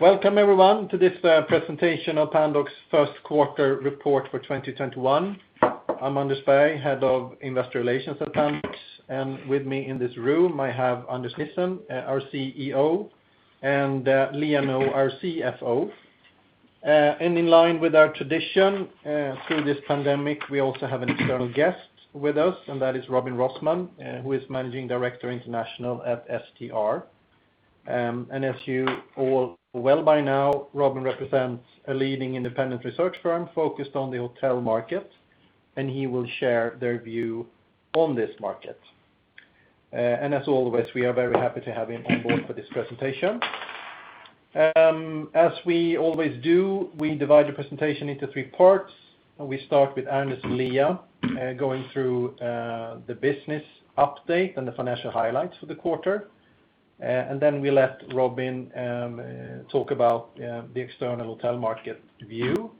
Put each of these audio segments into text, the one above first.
Welcome everyone to this presentation of Pandox first quarter report for 2021. I'm Anders Berg, Head of Investor Relations at Pandox. With me in this room, I have Anders Nissen, our CEO, and Liia Nõu, our CFO. In line with our tradition through this pandemic, we also have an external guest with us, and that is Robin Rossmann, who is Managing Director International at STR. As you all well by now, Robin represents a leading independent research firm focused on the hotel market, and he will share their view on this market. As always, we are very happy to have him on board for this presentation. As we always do, we divide the presentation into three parts. We start with Anders and Liia going through the business update and the financial highlights for the quarter. Then we let Robin talk about the external hotel market view.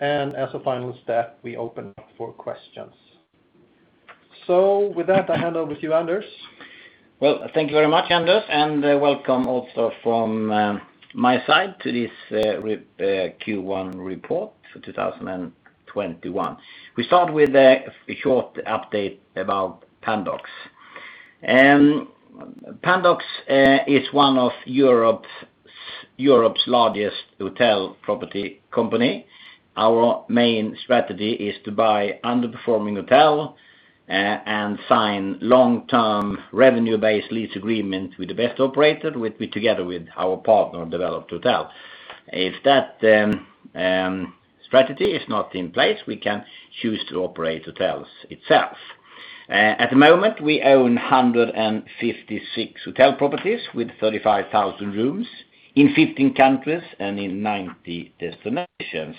As a final step, we open up for questions. With that, I hand over to you, Anders. Well, thank you very much, Anders, and welcome also from my side to this Q1 report for 2021. We start with a short update about Pandox. Pandox is one of Europe's largest hotel property company. Our main strategy is to buy underperforming hotel and sign long-term revenue-based lease agreement with the best operator, together with our partner, developed the Hotel. If that strategy is not in place, we can choose to operate hotels itself. At the moment, we own 156 hotel properties with 35,000 rooms in 15 countries and in 90 destinations.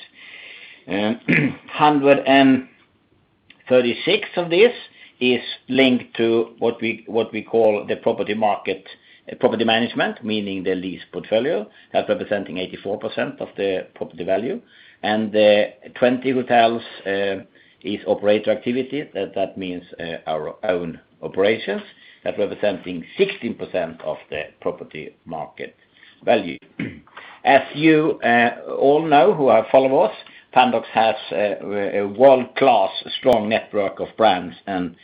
136 of this is linked to what we call the property management, meaning the lease portfolio. That representing 84% of the property value. 20 hotels is operator activity. That means our own operations. That representing 16% of the property market value. As you all know, who have followed us, Pandox has a world-class strong network of brands and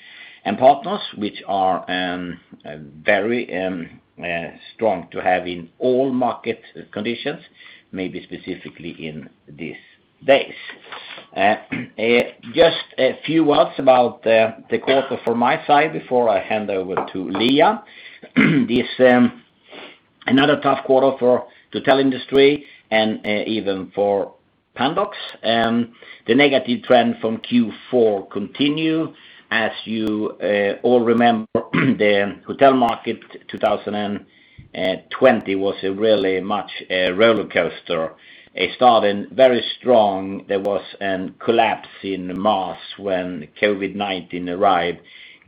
partners, which are very strong to have in all market conditions, maybe specifically in these days. Just a few words about the quarter from my side before I hand over to Liia. This was another tough quarter for hotel industry and even for Pandox. The negative trend from Q4 continued. As you all remember, the hotel market 2020 was a really much a rollercoaster. It started very strong. There was a collapse in March when COVID-19 arrived,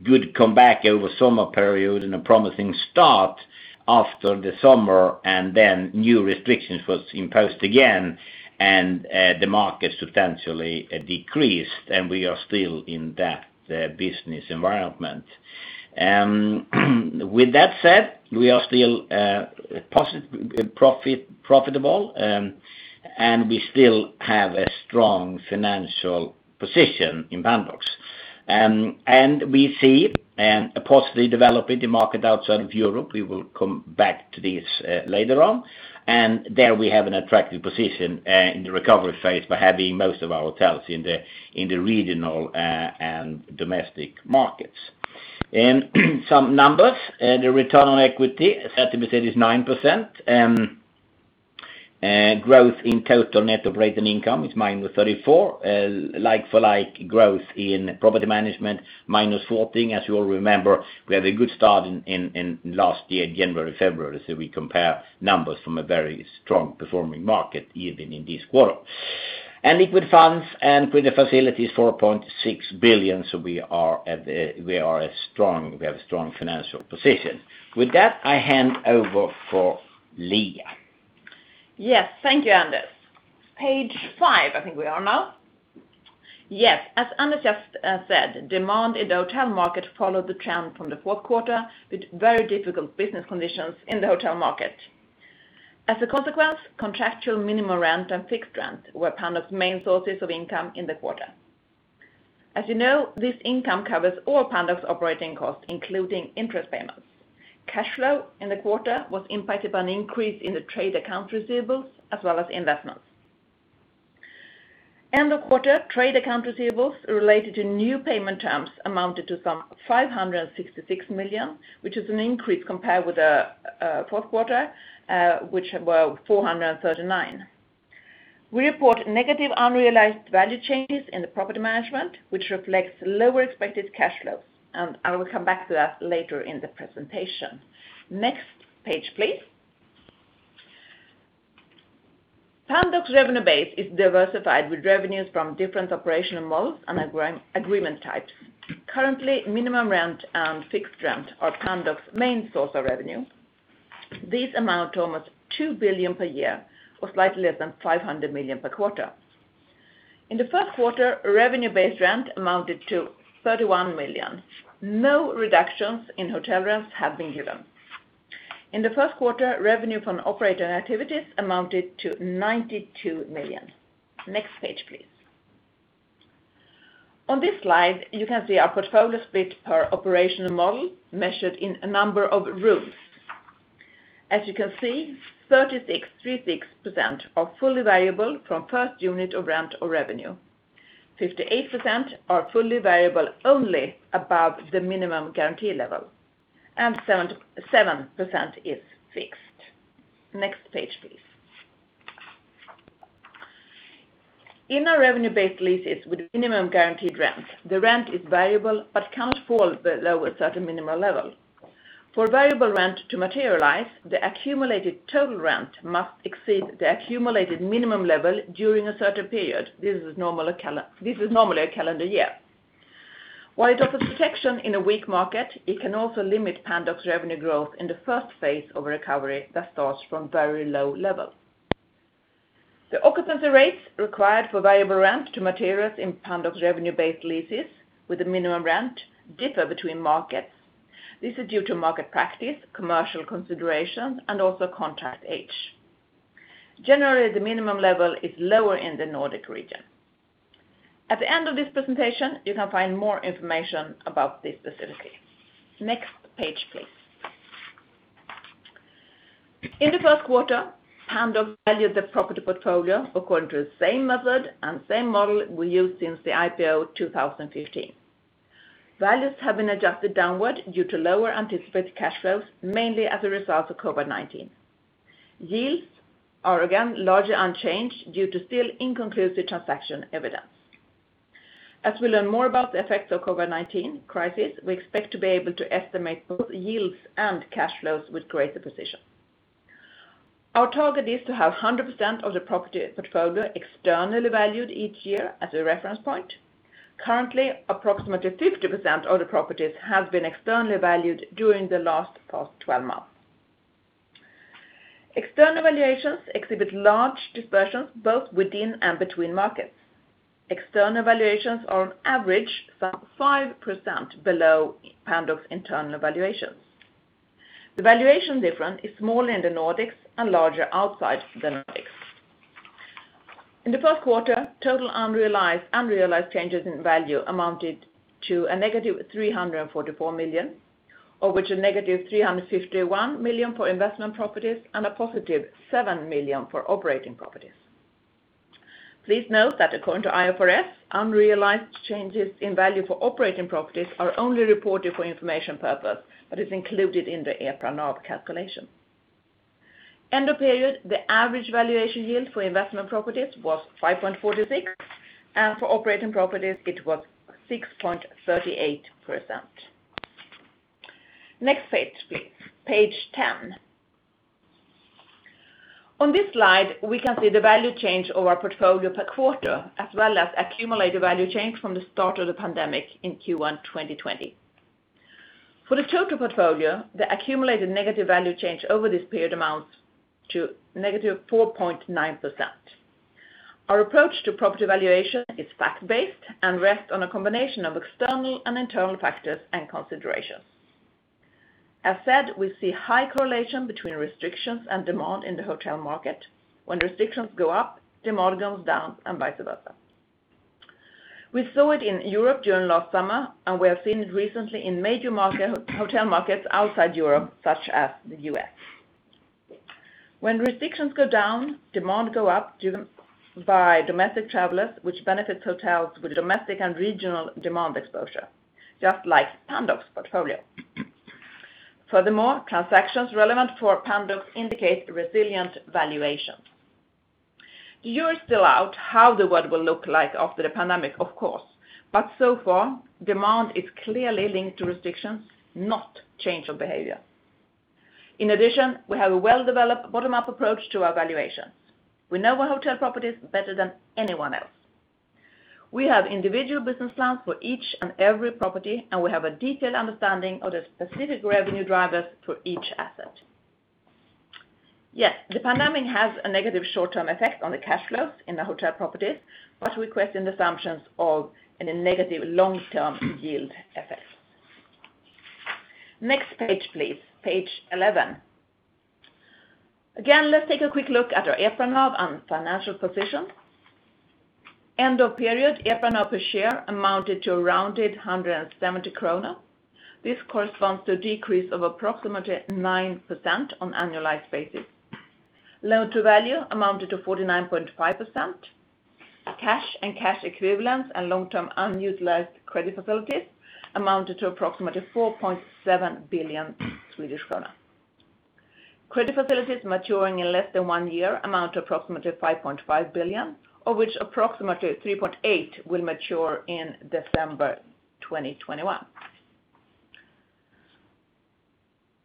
good comeback over summer period and a promising start after the summer, and then new restrictions were imposed again, and the market substantially decreased, and we are still in that business environment. With that said, we are still profitable, and we still have a strong financial position in Pandox. We see a positive development in market outside of Europe. We will come back to this later on. There we have an attractive position in the recovery phase by having most of our hotels in the regional and domestic markets. Some numbers. The return on equity, 30% is 9%. Growth in total net operating income is minus 34%. Like for like growth in property management, minus 14%. As you all remember, we have a good start in last year, January, February, we compare numbers from a very strong performing market, even in this quarter. Liquid funds and credit facilities, 4.6 billion. We have a strong financial position. With that, I hand over for Liia. Yes. Thank you, Anders. Page five, I think we are now. Yes. As Anders just said, demand in the hotel market followed the trend from the fourth quarter with very difficult business conditions in the hotel market. As a consequence, contractual minimum rent and fixed rent were Pandox main sources of income in the quarter. As you know, this income covers all Pandox operating costs, including interest payments. Cash flow in the quarter was impacted by an increase in the trade account receivables as well as investments. End of quarter, trade account receivables related to new payment terms amounted to some 566 million, which is an increase compared with the fourth quarter, which were 439 million. We report negative unrealized value changes in the property management, which reflects lower expected cash flows. I will come back to that later in the presentation. Next page, please. Pandox revenue base is diversified with revenues from different operational models and agreement types. Currently, minimum rent and fixed rent are Pandox main source of revenue. These amount almost 2 billion per year or slightly less than 500 million per quarter. In the first quarter, revenue-based rent amounted to 31 million. No reductions in hotel rents have been given. In the first quarter, revenue from operating activities amounted to 92 million. Next page, please. On this slide, you can see our portfolio split per operational model measured in a number of rooms. As you can see, 36% are fully variable from first unit of rent or revenue, 58% are fully variable only above the minimum guarantee level, and 7% is fixed. Next page, please. In our revenue-based leases with minimum guaranteed rent, the rent is variable but can't fall below a certain minimal level. For variable rent to materialize, the accumulated total rent must exceed the accumulated minimum level during a certain period. This is normally a calendar year. While it offers protection in a weak market, it can also limit Pandox revenue growth in the first phase of a recovery that starts from very low levels. The occupancy rates required for variable rent to materialize in Pandox revenue-based leases with a minimum rent differ between markets. This is due to market practice, commercial considerations, and also contract age. Generally, the minimum level is lower in the Nordic Region. At the end of this presentation, you can find more information about this facility. Next page, please. In the first quarter, Pandox valued the property portfolio according to the same method and same model we used since the IPO 2015. Values have been adjusted downward due to lower anticipated cash flows, mainly as a result of COVID-19. Yields are again largely unchanged due to still inconclusive transaction evidence. As we learn more about the effects of COVID-19 crisis, we expect to be able to estimate both yields and cash flows with greater precision. Our target is to have 100% of the property portfolio externally valued each year as a reference point. Currently, approximately 50% of the properties have been externally valued during the last past 12 months. External valuations exhibit large dispersions both within and between markets. External valuations are on average some 5% below Pandox internal valuations. The valuation difference is small in the Nordics and larger outside the Nordics. In the first quarter, total unrealized changes in value amounted to a negative 344 million, of which a negative 351 million for investment properties and a positive 7 million for operating properties. Please note that according to IFRS, unrealized changes in value for operating properties are only reported for information purpose, but is included in the EPRA NAV calculation. End of period, the average valuation yield for investment properties was 5.46%, and for operating properties it was 6.38%. Next page, please. Page 10. On this slide, we can see the value change of our portfolio per quarter, as well as accumulated value change from the start of the pandemic in Q1 2020. For the total portfolio, the accumulated negative value change over this period amounts to negative 4.9%. Our approach to property valuation is fact-based and rests on a combination of external and internal factors and considerations. As said, we see high correlation between restrictions and demand in the hotel market. When restrictions go up, demand goes down, and vice versa. We saw it in Europe during last summer, and we have seen it recently in major hotel markets outside Europe, such as the U.S. When restrictions go down, demand go up driven by domestic travelers, which benefits hotels with domestic and regional demand exposure, just like Pandox portfolio. Furthermore, transactions relevant for Pandox indicate resilient valuations. The jury's still out how the world will look like after the pandemic, of course. So far, demand is clearly linked to restrictions, not change of behavior. In addition, we have a well-developed bottom-up approach to our valuations. We know our hotel properties better than anyone else. We have individual business plans for each and every property, and we have a detailed understanding of the specific revenue drivers for each asset. Yes, the pandemic has a negative short-term effect on the cash flows in the hotel properties, but we request an assumption of a negative long-term yield effect. Next page, please. Page 11. Again, let's take a quick look at our EPRA NAV and financial position. End of period, EPRA NAV per share amounted to a rounded SEK 170. This corresponds to a decrease of approximately 9% on annualized basis. Loan to value amounted to 49.5%. Cash and cash equivalents and long-term unutilized credit facilities amounted to approximately 4.7 billion Swedish krona. Credit facilities maturing in less than one year amount to approximately 5.5 billion, of which approximately 3.8 will mature in December 2021.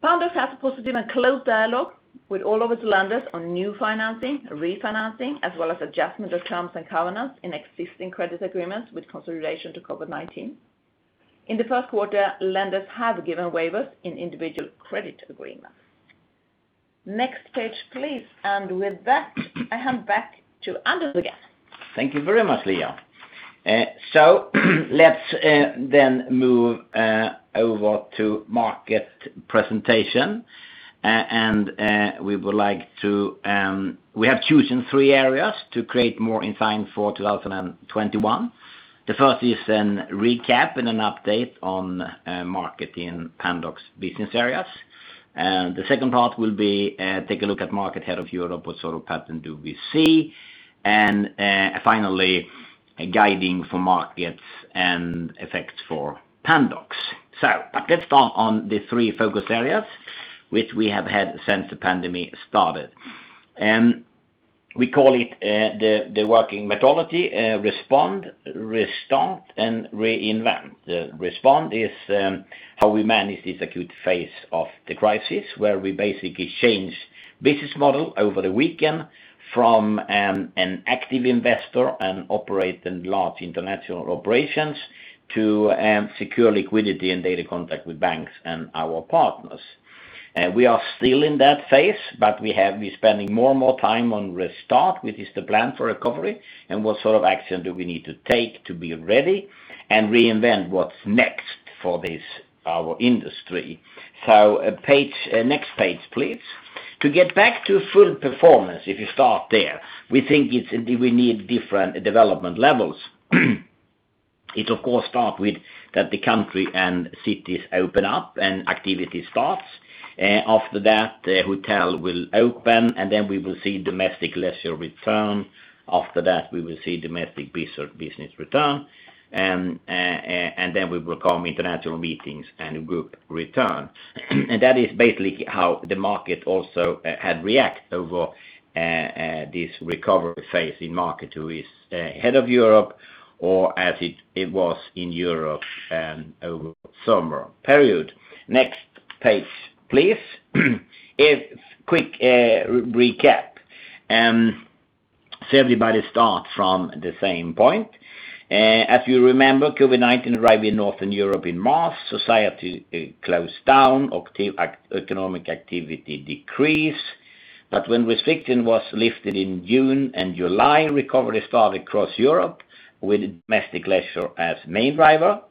Pandox has a positive and close dialogue with all of its lenders on new financing, refinancing, as well as adjustment of terms and covenants in existing credit agreements with consideration to COVID-19. In the first quarter, lenders have given waivers in individual credit agreements. Next page, please. With that, I hand back to Anders again. Thank you very much, Liia. Let's move over to market presentation. We have chosen three areas to create more insight for 2021. The first is a recap and an update on market in Pandox business areas. The second part will be take a look at market ahead of Europe, what sort of pattern do we see? Finally, guiding for markets and effects for Pandox. Let's start on the three focus areas, which we have had since the pandemic started. We call it the working methodology, respond, restart, and reinvent. Respond is how we manage this acute phase of the crisis, where we basically change business model over the weekend from an active investor and operate in large international operations to secure liquidity and daily contact with banks and our partners. We are still in that phase, but we have been spending more and more time on restart, which is the plan for recovery and what sort of action do we need to take to be ready. Reinvent what's next for our industry. Next page, please. To get back to full performance, if you start there, we think we need different development levels. It, of course, start with that the country and cities open up and activity starts. After that, the hotel will open, and then we will see domestic leisure return. After that, we will see domestic business return. Then will come international meetings and group return. That is basically how the market also had reacted over this recovery phase in market who is ahead of Europe or as it was in Europe over summer period. Next page, please. A quick recap. Everybody start from the same point. As you remember, COVID-19 arrived in Northern Europe in March. Society closed down. Economic activity decreased. When restriction was lifted in June and July, recovery started across Europe with domestic leisure as main driver.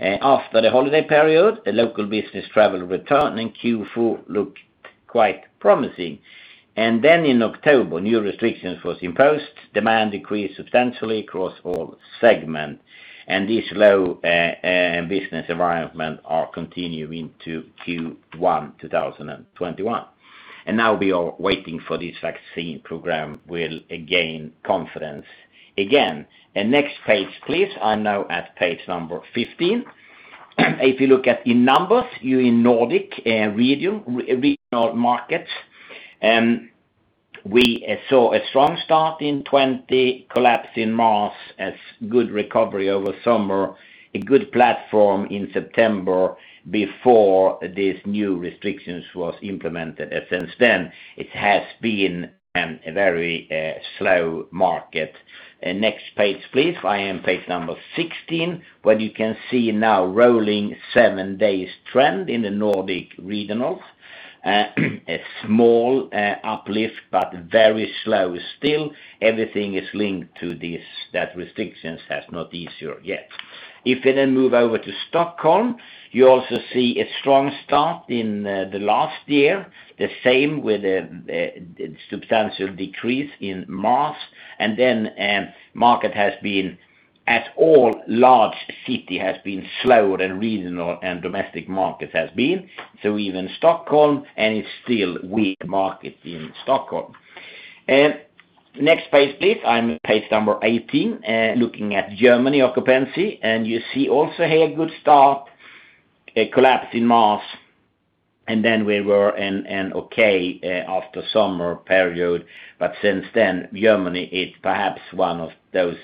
After the holiday period, the local business travel returned in Q4 looked quite promising. In October, new restrictions was imposed. Demand decreased substantially across all segments. This low business environment are continuing to Q1 2021. We are waiting for this vaccine program will gain confidence again. Next page, please. I'm now at page number 15. If you look at in numbers, you in Nordic regional markets. We saw a strong start in 2020, collapse in March, a good recovery over summer, a good platform in September before these new restrictions was implemented. Since then, it has been a very slow market. Next page, please. I am page number 16, where you can see now rolling seven days trend in the Nordic regionals. A small uplift but very slow still. Everything is linked to that restrictions has not easier yet. If we move over to Stockholm, you also see a strong start in the last year. The same with a substantial decrease in March. Market has been at all large city has been slower than regional and domestic markets has been. Even Stockholm, it's still weak market in Stockholm. Next page, please. I'm page number 18, looking at Germany occupancy. You see also here a good start, a collapse in March, and then we were okay after summer period. Since then, Germany is perhaps one of those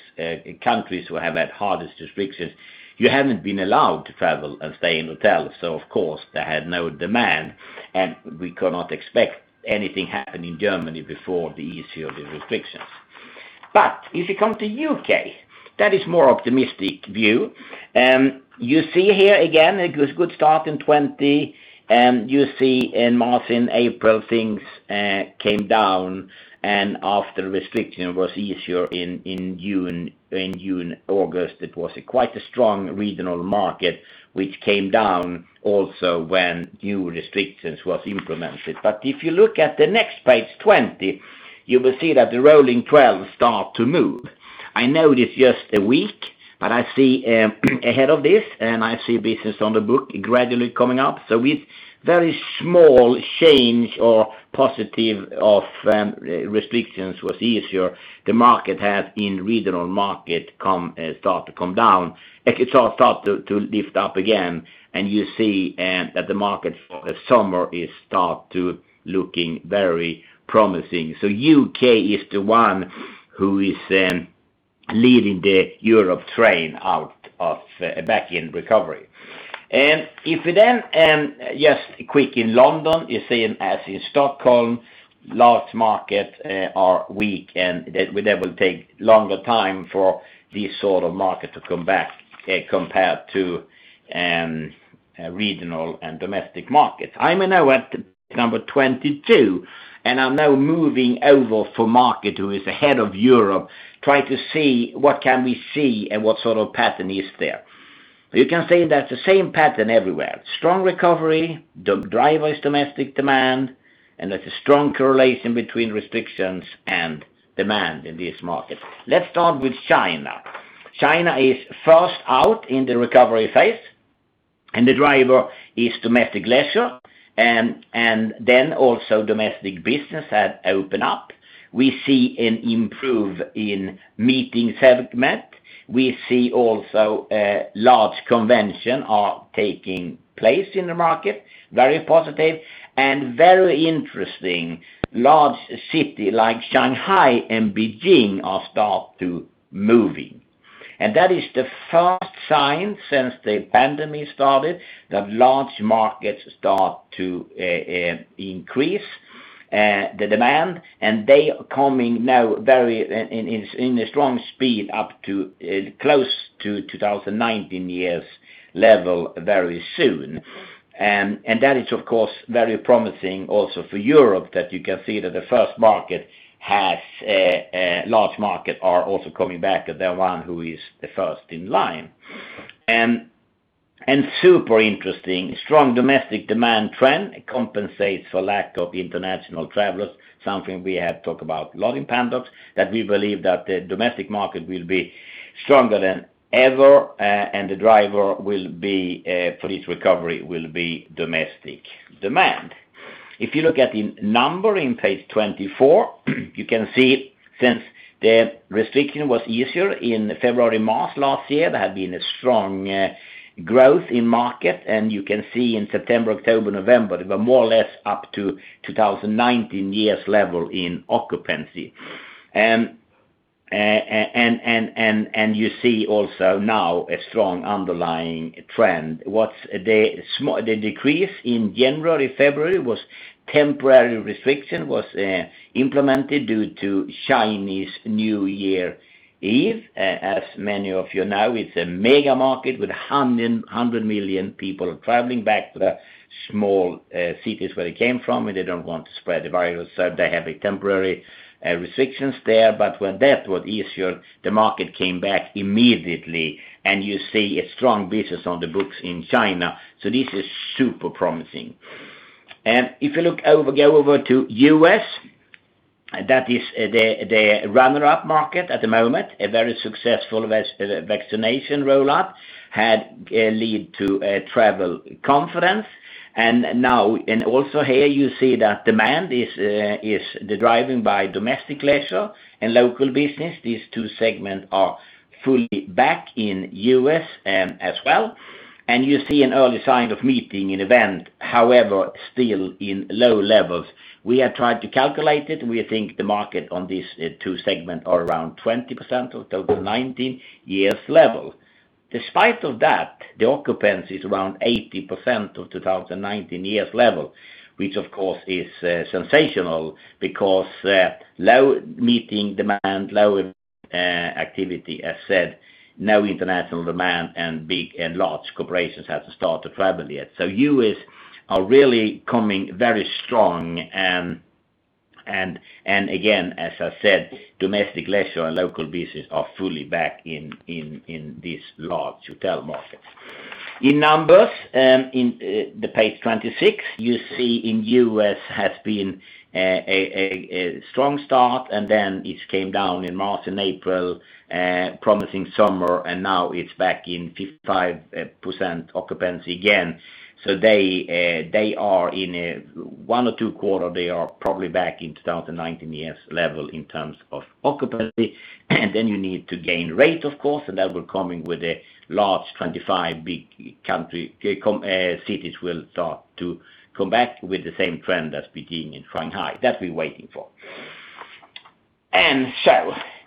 countries who have had hardest restrictions. You haven't been allowed to travel and stay in hotels. Of course, they had no demand, and we could not expect anything happen in Germany before the ease of the restrictions. If you come to U.K., that is more optimistic view. You see here again, a good start in 2020. You see in March and April, things came down, and after restriction was easier in June, August. It was quite a strong regional market, which came down also when new restrictions was implemented. If you look at the next page 20, you will see that the rolling 12 start to move. I know it is just a week, but I see ahead of this, and I see business on the book gradually coming up. With very small change or positive of restrictions was easier, the market has, in regional market, start to come down. It all start to lift up again, and you see that the market for the summer is start to looking very promising. U.K. is the one who is leading the Europe train back in recovery. If we then just quick in London, you see as in Stockholm, large markets are weak and that will take longer time for these sort of markets to come back compared to regional and domestic markets. I'm now at page number 22. I'm now moving over for market who is ahead of Europe, try to see what can we see and what sort of pattern is there. You can see that's the same pattern everywhere. Strong recovery. The driver is domestic demand. There's a strong correlation between restrictions and demand in these markets. Let's start with China. China is first out in the recovery phase, and the driver is domestic leisure and then also domestic business had opened up. We see an improve in meeting segment. We see also large convention are taking place in the market, very positive and very interesting. Large city like Shanghai and Beijing are start to moving. That is the first sign since the pandemic started that large markets start to increase the demand. They coming now very in a strong speed up to close to 2019 years level very soon. That is of course very promising also for Europe that you can see that the first market large market are also coming back. They're one who is the first in line. Super interesting. Strong domestic demand trend compensates for lack of international travelers. Something we have talked about a lot in Pandox, that we believe that the domestic market will be stronger than ever, and the driver for this recovery will be domestic demand. If you look at the number in page 24, you can see since the restriction was easier in February, March last year, there had been a strong growth in market. You can see in September, October, November, they were more or less up to 2019 year's level in occupancy. You see also now a strong underlying trend. The decrease in January, February was temporary restriction was implemented due to Chinese New Year Eve. As many of you know, it's a mega market with 100 million people traveling back to the small cities where they came from, and they don't want to spread the virus. They have a temporary restrictions there. When that was easier, the market came back immediately. You see a strong business on the books in China. This is super promising. If you go over to U.S., that is the runner-up market at the moment. A very successful vaccination rollout had led to travel confidence. Also here you see that demand is driving by domestic leisure and local business. These two segments are fully back in U.S. as well. You see an early sign of meeting and event, however, still in low levels. We have tried to calculate it. We think the market on these two segment are around 20% of 2019 year's level. Despite of that, the occupancy is around 80% of 2019 year's level, which of course is sensational because low meeting demand, low event activity. As said, no international demand and large corporations hasn't start to travel yet. U.S. are really coming very strong. Again, as I said, domestic leisure and local business are fully back in these large hotel markets. In numbers in the page 26, you see in U.S. has been a strong start, then it came down in March and April, promising summer, now it's back in 55% occupancy again. They are in one or two quarter, they are probably back in 2019's level in terms of occupancy. You need to gain rate, of course, that will coming with the large 25 big cities will start to come back with the same trend as Beijing and Shanghai that we waiting for.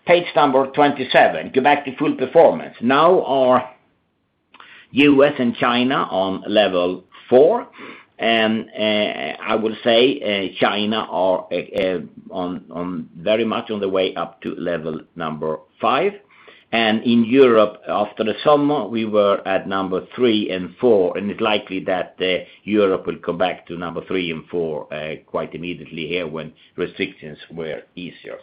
Page 27, go back to full performance. Now are U.S. and China on level four. I will say China are very much on the way up to level five. In Europe after the summer, we were at number three and four, and it's likely that Europe will come back to number three and four quite immediately here when restrictions were easier.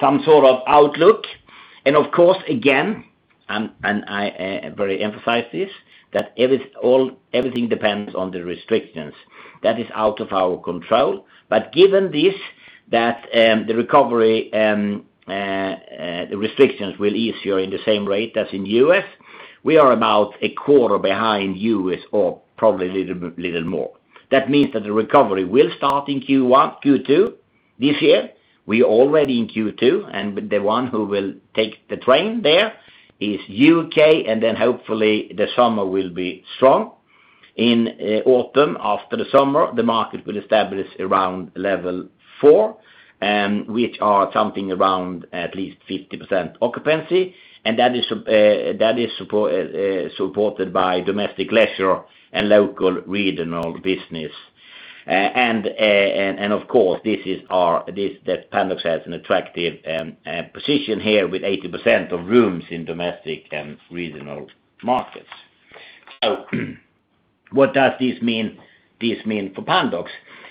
Some sort of outlook and of course again, and I very emphasize this, that everything depends on the restrictions. That is out of our control. Given this, that the recovery, the restrictions will easier in the same rate as in U.S., we are about a quarter behind U.S. or probably little more. That means the recovery will start in Q2 this year. We are already in Q2 and the one who will take the train there is U.K. and then hopefully the summer will be strong. In autumn, after the summer, the market will establish around level four, which are something around at least 50% occupancy. That is supported by domestic leisure and local regional business. Of course, Pandox has an attractive position here with 80% of rooms in domestic and regional markets. What does this mean for Pandox?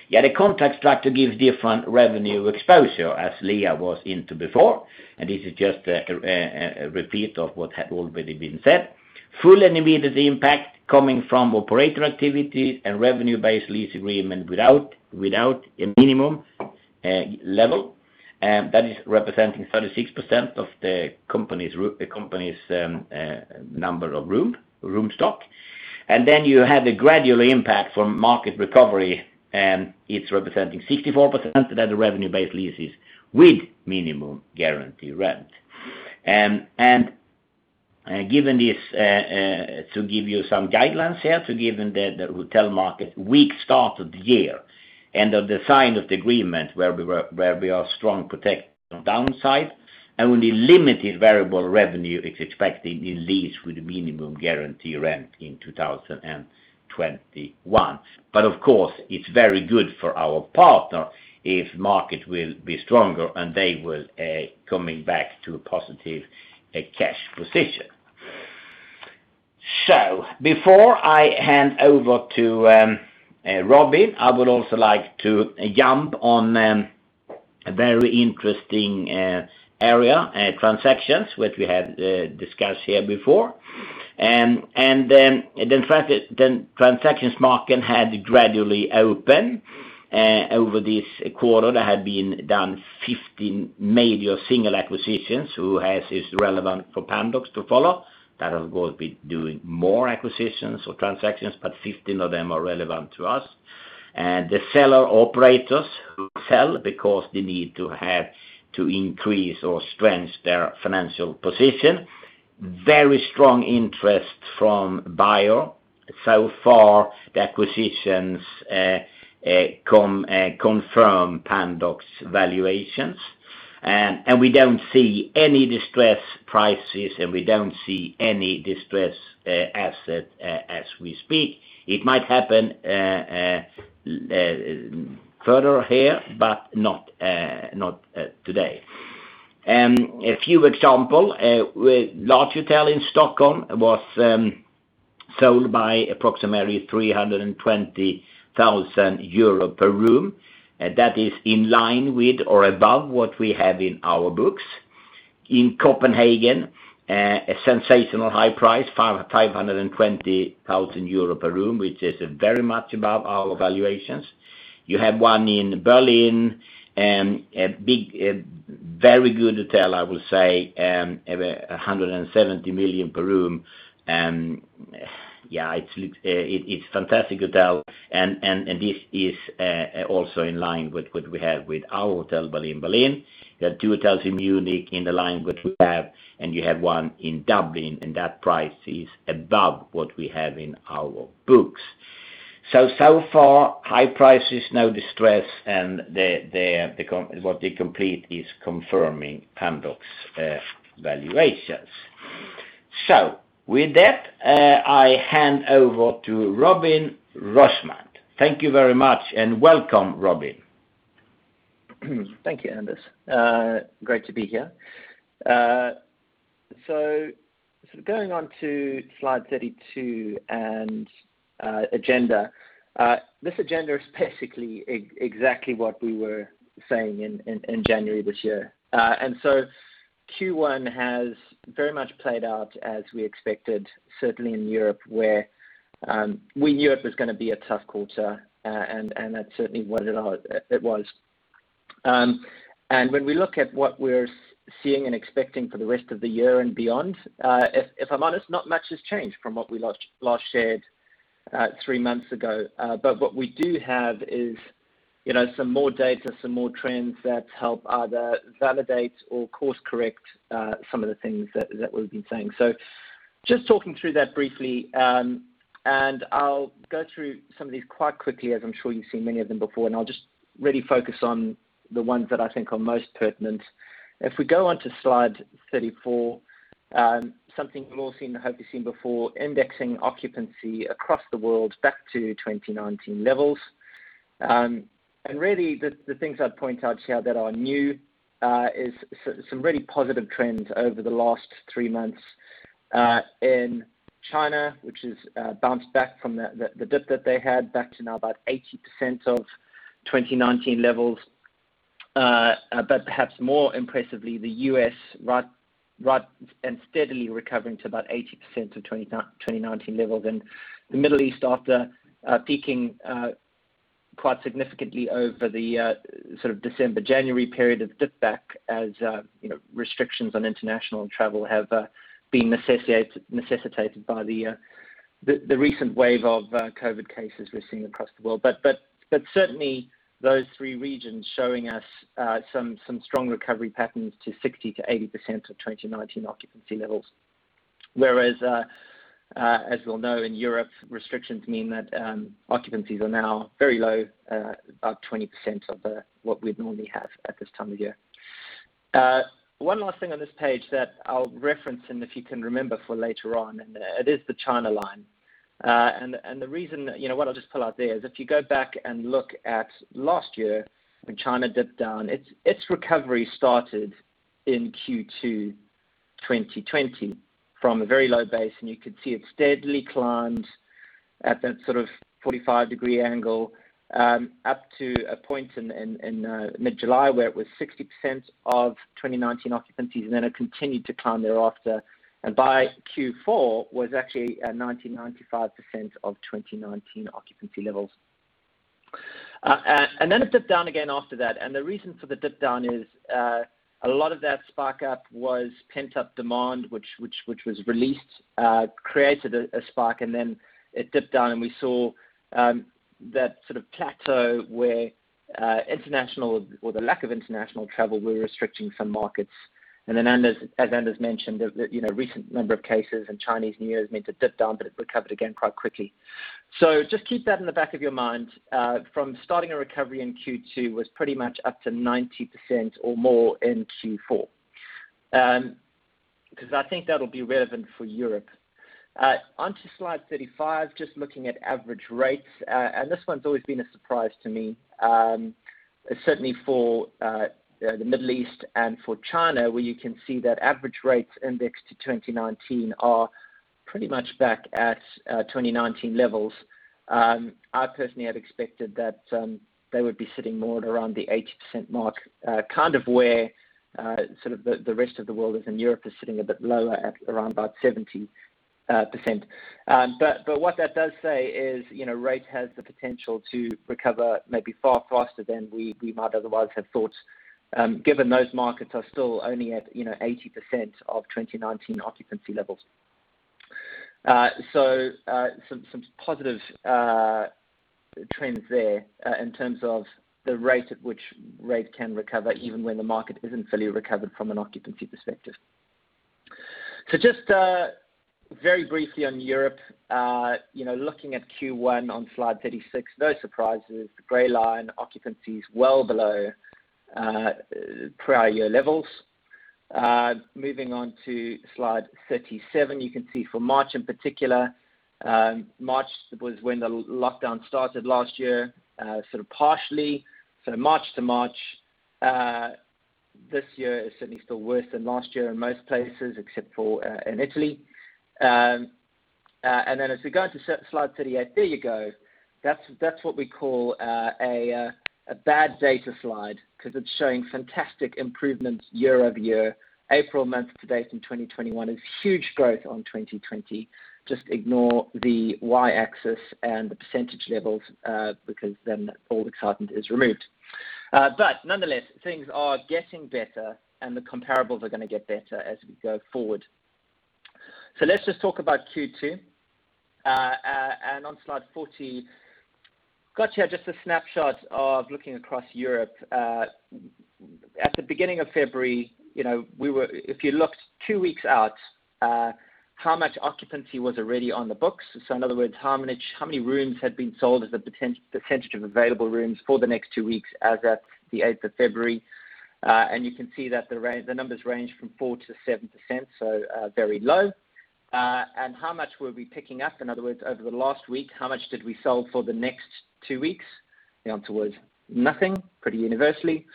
Yeah, the contract structure gives different revenue exposure, as Liia was into before, this is just a repeat of what had already been said. Full and immediate impact coming from operator activities and revenue base lease agreement without a minimum level. That is representing 36% of the company's number of room stock. You have a gradual impact from market recovery, it's representing 64% that the revenue-based leases with minimum guarantee rent. To give you some guidelines here, given the hotel market weak start of the year and the signing of the agreement where we are strong protection downside, and only limited variable revenue is expected in lease with minimum guarantee rent in 2021. Of course, it's very good for our partner if market will be stronger, and they will coming back to a positive cash position. Before I hand over to Robin, I would also like to jump on a very interesting area, transactions, which we have discussed here before. Transactions market had gradually open. Over this quarter, there had been done 15 major single acquisitions who is relevant for Pandox to follow. Of course, we doing more acquisitions or transactions, but 15 of them are relevant to us. The seller operators who sell because they need to have to increase or strengthen their financial position. Very strong interest from buyer. Far, the acquisitions confirm Pandox valuations. We don't see any distressed prices, and we don't see any distressed asset as we speak. It might happen further here, but not today. A few examples, large hotel in Stockholm was sold by approximately 320,000 euro per room. That is in line with or above what we have in our books. In Copenhagen, a sensational high price, 520,000 euro per room, which is very much above our valuations. You have one in Berlin, a very good hotel, I will say, 170 million per room. It's fantastic hotel, and this is also in line with what we have with our hotel in Berlin. You have two hotels in Munich in the line what we have, and you have one in Dublin, and that price is above what we have in our books. So far, high prices, no distress, and what they complete is confirming Pandox valuations. With that, I hand over to Robin Rossmann. Thank you very much, and welcome, Robin. Thank you, Anders. Great to be here. Going on to slide 32 and agenda. This agenda is basically exactly what we were saying in January this year. Q1 has very much played out as we expected, certainly in Europe, where we knew it was going to be a tough quarter. That's certainly what it was. When we look at what we're seeing and expecting for the rest of the year and beyond, if I'm honest, not much has changed from what we last shared three months ago. What we do have is some more data, some more trends that help either validate or course correct some of the things that we've been saying. Just talking through that briefly, and I'll go through some of these quite quickly, as I'm sure you've seen many of them before, and I'll just really focus on the ones that I think are most pertinent. If we go on to slide 34, something you've all seen, or hope you've seen before, indexing occupancy across the world back to 2019 levels. Really, the things I'd point out here that are new is some really positive trends over the last three months. In China, which has bounced back from the dip that they had back to now about 80% of 2019 levels. Perhaps more impressively, the U.S., right and steadily recovering to about 80% of 2019 levels. The Middle East after peaking quite significantly over the December, January period have dipped back as restrictions on international travel have been necessitated by the recent wave of COVID-19 cases we're seeing across the world. Certainly, those three regions showing us some strong recovery patterns to 60%-80% of 2019 occupancy levels. Whereas, as we all know, in Europe, restrictions mean that occupancies are now very low, about 20% of what we'd normally have at this time of year. One last thing on this page that I'll reference, and if you can remember for later on, it is the China line. What I'll just pull out there is if you go back and look at last year when China dipped down, its recovery started in Q2 2020 from a very low base, and you could see it steadily climbed at that sort of 45-degree angle up to a point in mid-July where it was 60% of 2019 occupancies, and then it continued to climb thereafter. By Q4, was actually at 90%, 95% of 2019 occupancy levels. Then it dipped down again after that, and the reason for the dip down is a lot of that spark up was pent-up demand, which was released, created a spark, and then it dipped down, and we saw that sort of plateau where international, or the lack of international travel, were restricting some markets. As Anders mentioned, the recent number of cases and Chinese New Year has meant a dip down, but it recovered again quite quickly. Just keep that in the back of your mind. From starting a recovery in Q2 was pretty much up to 90% or more in Q4. I think that'll be relevant for Europe. On to slide 35, just looking at average rates. This one's always been a surprise to me. Certainly for the Middle East and for China, where you can see that average rates indexed to 2019 are pretty much back at 2019 levels. I personally had expected that they would be sitting more at around the 80% mark, kind of where the rest of the world is, and Europe is sitting a bit lower at around about 70%. What that does say is rate has the potential to recover maybe far faster than we might otherwise have thought, given those markets are still only at 80% of 2019 occupancy levels. Some positive trends there in terms of the rate at which rate can recover, even when the market isn't fully recovered from an occupancy perspective. Just very briefly on Europe. Looking at Q1 on slide 36, no surprises. The gray line occupancies well below prior year levels. Moving on to slide 37. You can see for March in particular. March was when the lockdown started last year, sort of partially. March to March this year is certainly still worse than last year in most places, except for in Italy. As we go into slide 38, there you go. That's what we call a bad data slide, because it's showing fantastic improvements year-over-year. April month-to-date in 2021 is huge growth on 2020. Just ignore the y-axis and the percentage levels, because then all the excitement is removed. Nonetheless, things are getting better, and the comparables are going to get better as we go forward. Let's just talk about Q2. On slide 40, got here just a snapshot of looking across Europe. At the beginning of February, if you looked two weeks out, how much occupancy was already on the books. In other words, how many rooms had been sold as a percentage of available rooms for the next two weeks as at the 8th of February. You can see that the numbers range from 4%-7%, so very low. How much were we picking up? In other words, over the last week, how much did we sell for the next two weeks? The answer was nothing, pretty universally.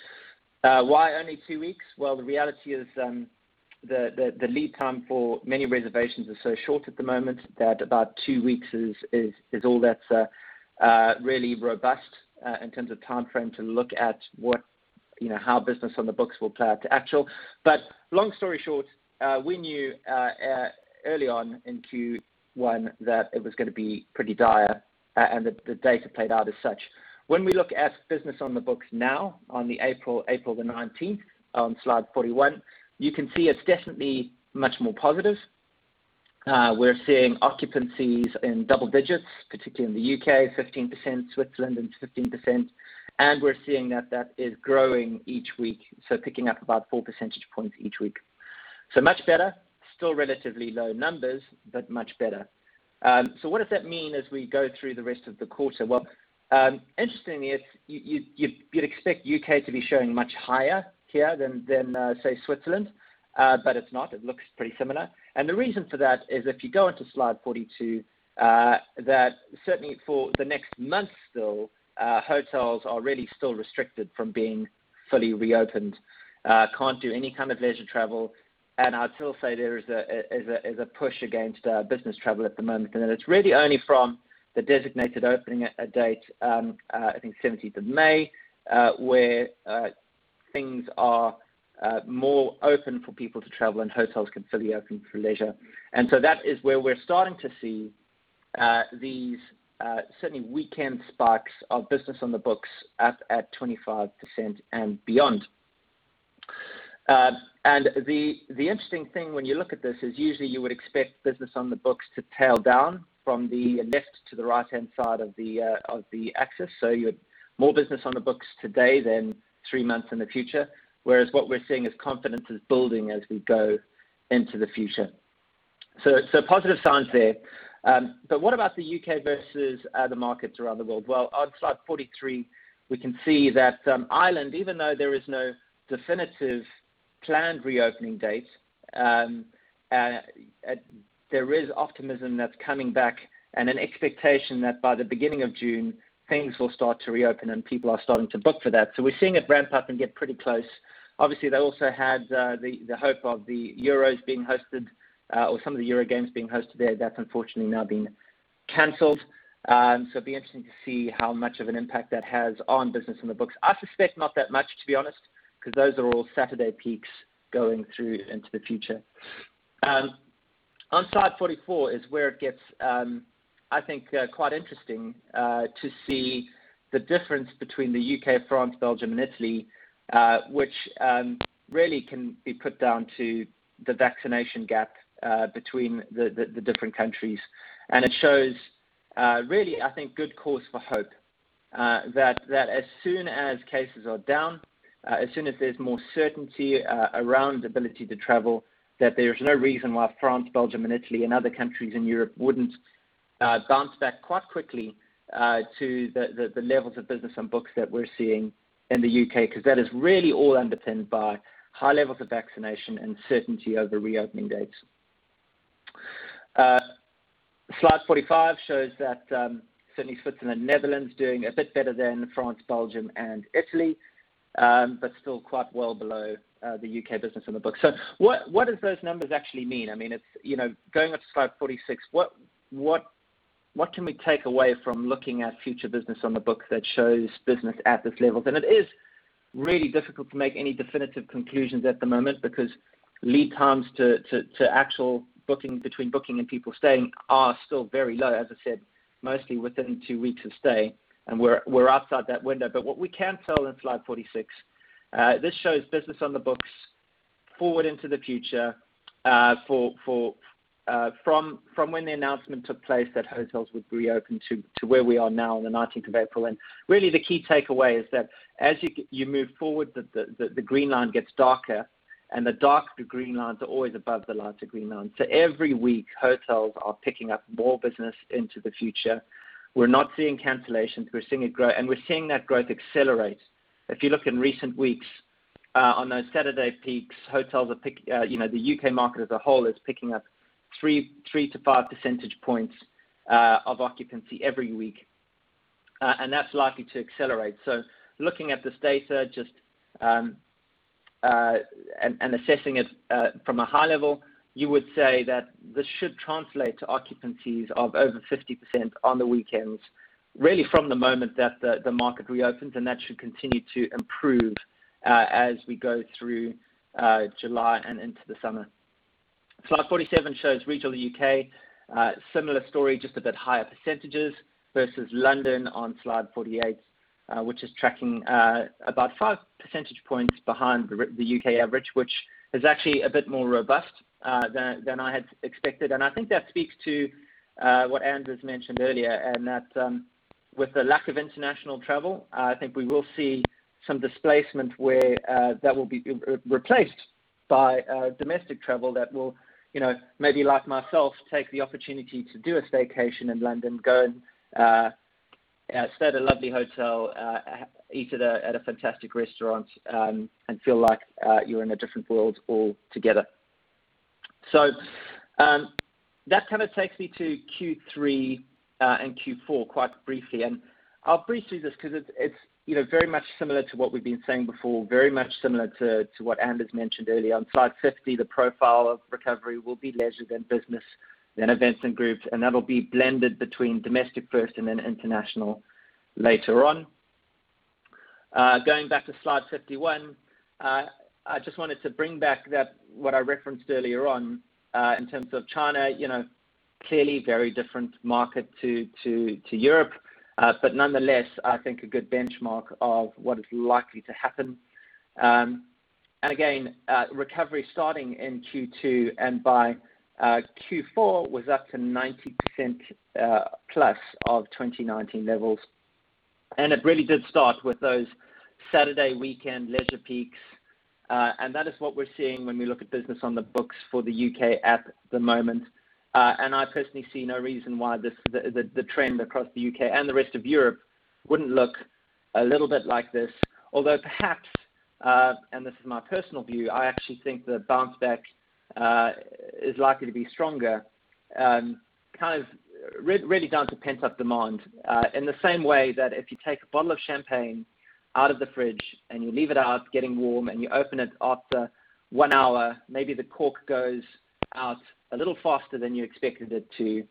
Why only two weeks? The reality is the lead time for many reservations is so short at the moment that about two weeks is all that's really robust in terms of timeframe to look at how business on the books will play out to actual. Long story short, we knew early on in Q1 that it was going to be pretty dire, and the data played out as such. When we look at business on the books now on April 19th, on slide 41, you can see it's definitely much more positive. We're seeing occupancies in double digits, particularly in the U.K., 15%, Switzerland is 15%, and we're seeing that that is growing each week. Picking up about four percentage points each week. Much better. Still relatively low numbers, but much better. What does that mean as we go through the rest of the quarter? Well, interestingly, you'd expect U.K. to be showing much higher here than, say, Switzerland. It's not. It looks pretty similar. The reason for that is if you go onto slide 42, that certainly for the next month still, hotels are really still restricted from being fully reopened. Can't do any kind of leisure travel, and I'd still say there is a push against business travel at the moment. It's really only from the designated opening date, I think 17th of May, where things are more open for people to travel and hotels can fully open for leisure. That is where we're starting to see these certainly weekend spikes of business on the books up at 25% and beyond. The interesting thing when you look at this is usually you would expect business on the books to tail down from the left to the right-hand side of the axis. You had more business on the books today than three months in the future. Whereas what we're seeing is confidence is building as we go into the future. So positive signs there. What about the U.K. versus other markets around the world? On slide 43, we can see that Ireland, even though there is no definitive planned reopening date, there is optimism that's coming back and an expectation that by the beginning of June things will start to reopen and people are starting to book for that. We're seeing it ramp up and get pretty close. Obviously, they also had the hope of the Euros being hosted, or some of the Euro games being hosted there. That's unfortunately now been canceled. It'll be interesting to see how much of an impact that has on business on the books. I suspect not that much, to be honest, because those are all Saturday peaks going through into the future. On slide 44 is where it gets, I think quite interesting to see the difference between the U.K., France, Belgium, and Italy, which really can be put down to the vaccination gap between the different countries. It shows really, I think, good cause for hope that as soon as cases are down, as soon as there's more certainty around the ability to travel, that there's no reason why France, Belgium, and Italy and other countries in Europe wouldn't bounce back quite quickly to the levels of business on books that we're seeing in the U.K. That is really all underpinned by high levels of vaccination and certainty over reopening dates. Slide 45 shows that certainly Switzerland and the Netherlands doing a bit better than France, Belgium, and Italy, but still quite well below the U.K. business on the book. What do those numbers actually mean? Going up to slide 46, what can we take away from looking at future business on the book that shows business at this level? It is really difficult to make any definitive conclusions at the moment because lead times to actual booking between booking and people staying are still very low, as I said, mostly within two weeks of stay, and we're outside that window. What we can tell in slide 46, this shows business on the books forward into the future, from when the announcement took place that hotels would reopen to where we are now on the 19th of April. Really the key takeaway is that as you move forward, the green line gets darker and the darker green lines are always above the lighter green line. Every week, hotels are picking up more business into the future. We're not seeing cancellations. We're seeing it grow, and we're seeing that growth accelerate. If you look in recent weeks, on those Saturday peaks, the U.K. market as a whole is picking up three to five percentage points of occupancy every week, and that's likely to accelerate. Looking at this data just and assessing it from a high level, you would say that this should translate to occupancies of over 50% on the weekends, really from the moment that the market reopens, and that should continue to improve as we go through July and into the summer. Slide 47 shows regional U.K. Similar story, just a bit higher percentages versus London on slide 48, which is tracking about five percentage points behind the U.K. average, which is actually a bit more robust than I had expected. I think that speaks to what Anders mentioned earlier, and that with the lack of international travel, I think we will see some displacement where that will be replaced by domestic travel that will maybe like myself, take the opportunity to do a staycation in London, go and stay at a lovely hotel, eat at a fantastic restaurant, and feel like you're in a different world altogether. That takes me to Q3 and Q4 quite briefly, and I'll briefly do this because it's very much similar to what we've been saying before, very much similar to what Anders mentioned earlier. On slide 50, the profile of recovery will be leisure, then business, then events and groups, and that'll be blended between domestic first and then international later on. Going back to slide 51, I just wanted to bring back what I referenced earlier on, in terms of China. Clearly very different market to Europe. Nonetheless, I think a good benchmark of what is likely to happen. Again, recovery starting in Q2 and by Q4 was up to 90% plus of 2019 levels. It really did start with those Saturday weekend leisure peaks. That is what we're seeing when we look at business on the books for the U.K. at the moment. I personally see no reason why the trend across the U.K. and the rest of Europe wouldn't look a little bit like this. Although perhaps, and this is my personal view, I actually think the bounce back is likely to be stronger. Really down to pent-up demand, in the same way that if you take a bottle of champagne out of the fridge and you leave it out, getting warm, and you open it after one hour, maybe the cork goes out a little faster than you expected it to.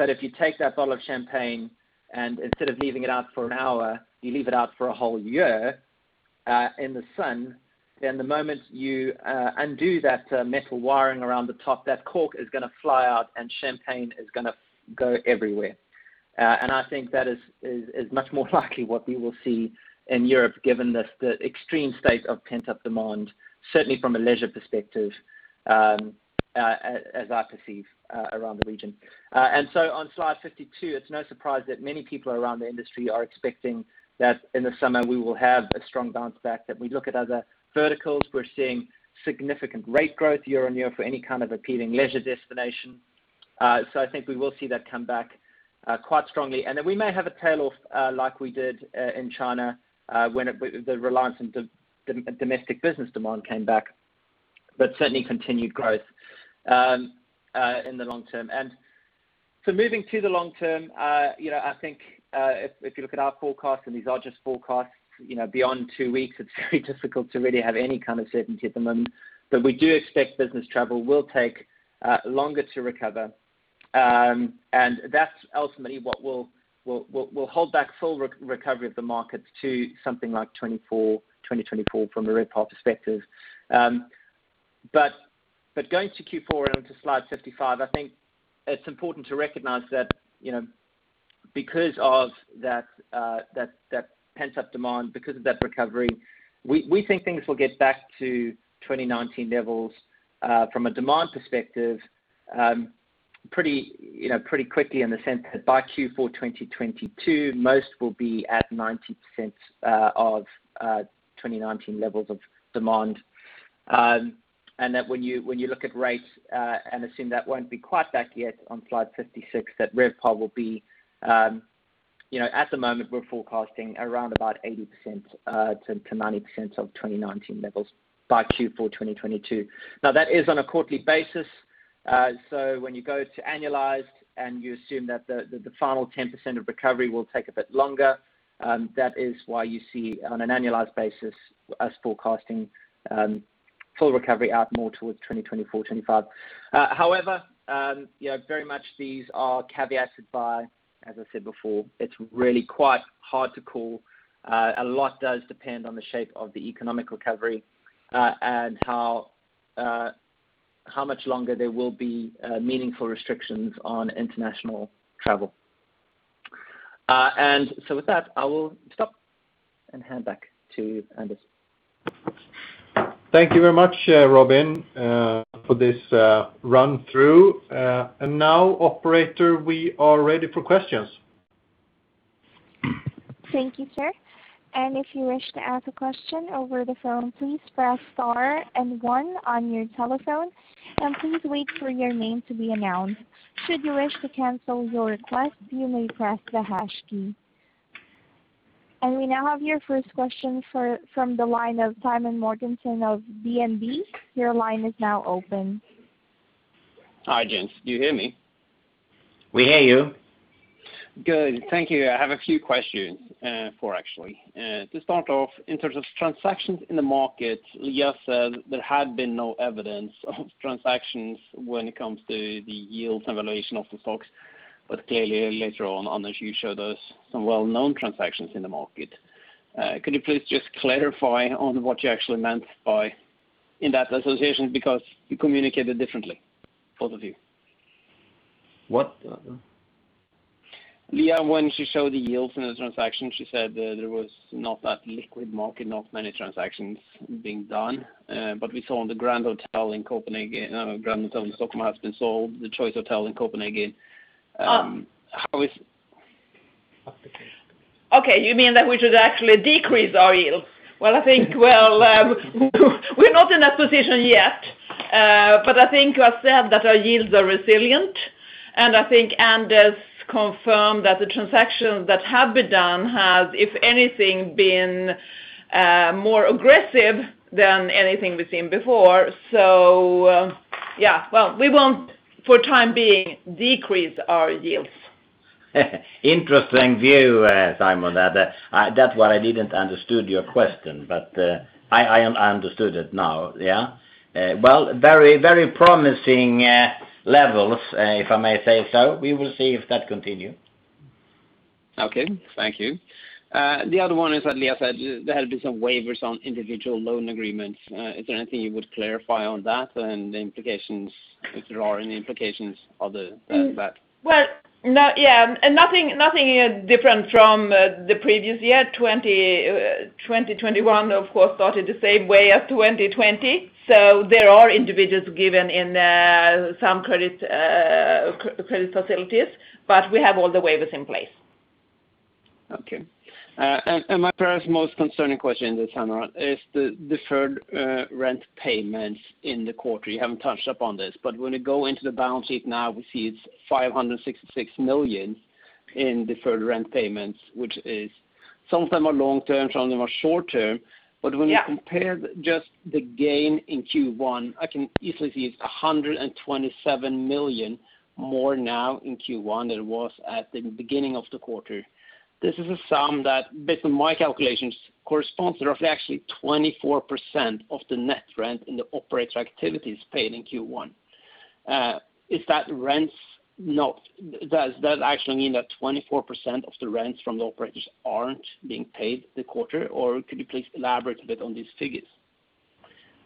If you take that bottle of champagne and instead of leaving it out for an hour, you leave it out for a whole year in the sun, then the moment you undo that metal wiring around the top, that cork is going to fly out and champagne is going to go everywhere. I think that is much more likely what we will see in Europe, given the extreme state of pent-up demand, certainly from a leisure perspective as I perceive around the region. On slide 52, it's no surprise that many people around the industry are expecting that in the summer we will have a strong bounce back. If we look at other verticals, we're seeing significant rate growth year-on-year for any kind of appealing leisure destination. I think we will see that come back quite strongly. We may have a tail-off like we did in China when the reliance on domestic business demand came back, but certainly continued growth in the long term. Moving to the long term, I think if you look at our forecasts, and these are just forecasts, beyond two weeks it's very difficult to really have any kind of certainty at the moment. We do expect business travel will take longer to recover. That's ultimately what will hold back full recovery of the markets to something like 2024 from a RevPAR perspective. Going to Q4 and on to slide 55, I think it's important to recognize that because of that pent-up demand, because of that recovery, we think things will get back to 2019 levels, from a demand perspective, pretty quickly in the sense that by Q4 2022, most will be at 90% of 2019 levels of demand. That when you look at rates and assume that won't be quite back yet on slide 56, that RevPAR will be at the moment, we're forecasting around about 80%-90% of 2019 levels by Q4 2022. That is on a quarterly basis. When you go to annualized and you assume that the final 10% of recovery will take a bit longer, that is why you see on an annualized basis, us forecasting full recovery out more towards 2024, 2025. However, very much these are caveated by, as I said before, it's really quite hard to call. A lot does depend on the shape of the economic recovery, and how much longer there will be meaningful restrictions on international travel. With that, I will stop and hand back to Anders. Thank you very much, Robin, for this run through. Now operator, we are ready for questions. Thank you, sir. If you wish to ask a question over the phone, please press star and one on your telephone, and please wait for your name to be announced. Should you wish to cancel your request, you may press the hash key. We now have your first question from the line of Simen Mortensen of DNB. Your line is now open. Hi, gents. Do you hear me? We hear you. Good. Thank you. I have a few questions. Four, actually. To start off, in terms of transactions in the market, Liia said there had been no evidence of transactions when it comes to the yields and valuation of the stocks, but clearly later on, Anders, you showed us some well-known transactions in the market. Could you please just clarify on what you actually meant in that association, because you communicated differently, both of you. What? Liia, when she showed the yields and the transactions, she said that there was not that liquid market, not many transactions being done. We saw on the Grand Hôtel in Stockholm has been sold, the Choice Hotels in Copenhagen. Okay, you mean that we should actually decrease our yields? Well, I think we're not in that position yet. I think you have said that our yields are resilient, and I think Anders confirmed that the transactions that have been done have, if anything, been more aggressive than anything we've seen before. Yeah. Well, we won't, for the time being, decrease our yields. Interesting view, Simen. That's why I didn't understood your question, but I understood it now. Yeah. Well, very promising levels, if I may say so. We will see if that continue. Okay. Thank you. The other one is that Liia said there had been some waivers on individual loan agreements. Is there anything you would clarify on that and if there are any implications of that? Well, nothing different from the previous year. 2021, of course, started the same way as 2020. There are individuals given in some credit facilities, but we have all the waivers in place. Okay. My perhaps most concerning question this time around is the deferred rent payments in the quarter. You haven't touched upon this, but when we go into the balance sheet now, we see it's 566 million in deferred rent payments. Some of them are long-term, some of them are short-term. Yeah. Compare just the gain in Q1, I can easily see it's 127 million more now in Q1 than it was at the beginning of the quarter. This is a sum that, based on my calculations, corresponds to roughly actually 24% of the net rent in the operator activities paid in Q1. Does that actually mean that 24% of the rents from the operators aren't being paid this quarter? Or could you please elaborate a bit on these figures?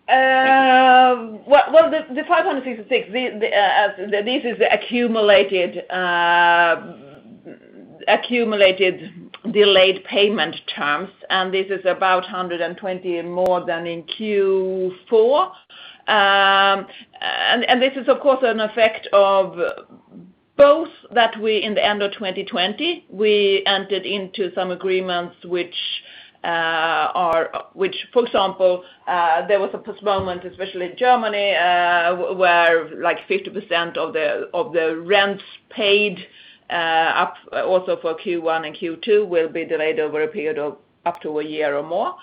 Thank you. Well, the 566, this is accumulated delayed payment terms, and this is about 120 and more than in Q4. This is, of course, an effect of both that in the end of 2020, we entered into some agreements which, for example, there was a postponement, especially in Germany, where 50% of the rents paid up also for Q1 and Q2 will be delayed over a period of up to a year or more.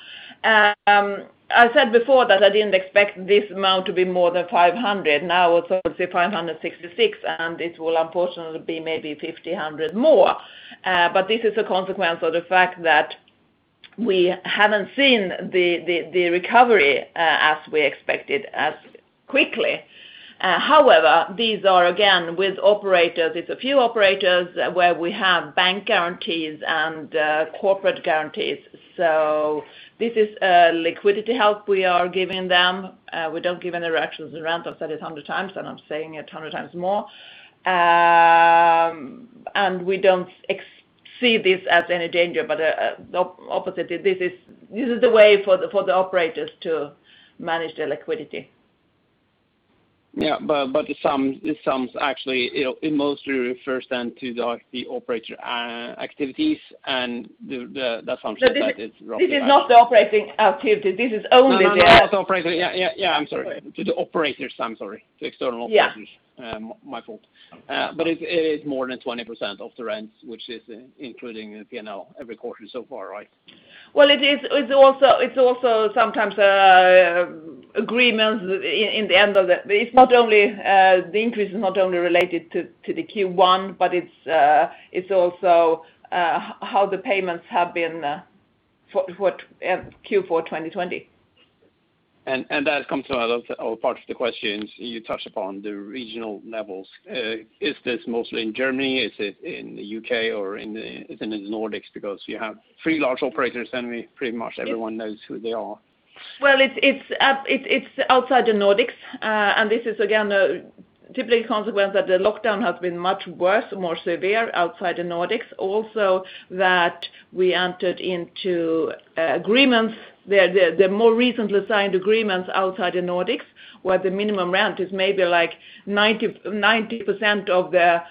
I said before that I didn't expect this amount to be more than 500. Now it's obviously 566. It will unfortunately be maybe 1,500 more. This is a consequence of the fact that we haven't seen the recovery as we expected as quickly. However, these are, again, with operators. It's a few operators where we have bank guarantees and corporate guarantees. This is a liquidity help we are giving them. We don't give any reductions in rent. I've said it 100 times, and I'm saying it 100 times more. We don't see this as any danger, but the opposite. This is the way for the operators to manage their liquidity. Yeah, this sums actually, it mostly refers then to the operator activities and that sums it up. This is not the operating activity. No, not operating. Yeah, I'm sorry. To the operators, I'm sorry. To external operators. Yeah. My fault. It is more than 20% of the rents, which is including in P&L every quarter so far, right? Well, it is also sometimes agreements. The increase is not only related to the Q1, but it is also how the payments have been for Q4 2020. That comes to another part of the questions you touched upon, the regional levels. Is this mostly in Germany? Is it in the U.K. or is it in the Nordics? You have three large operators, and pretty much everyone knows who they are. Well, it's outside the Nordics. This is again, typically a consequence that the lockdown has been much worse, more severe outside the Nordics. Also that we entered into agreements, the more recently signed agreements outside the Nordics, where the minimum rent is maybe 90% of the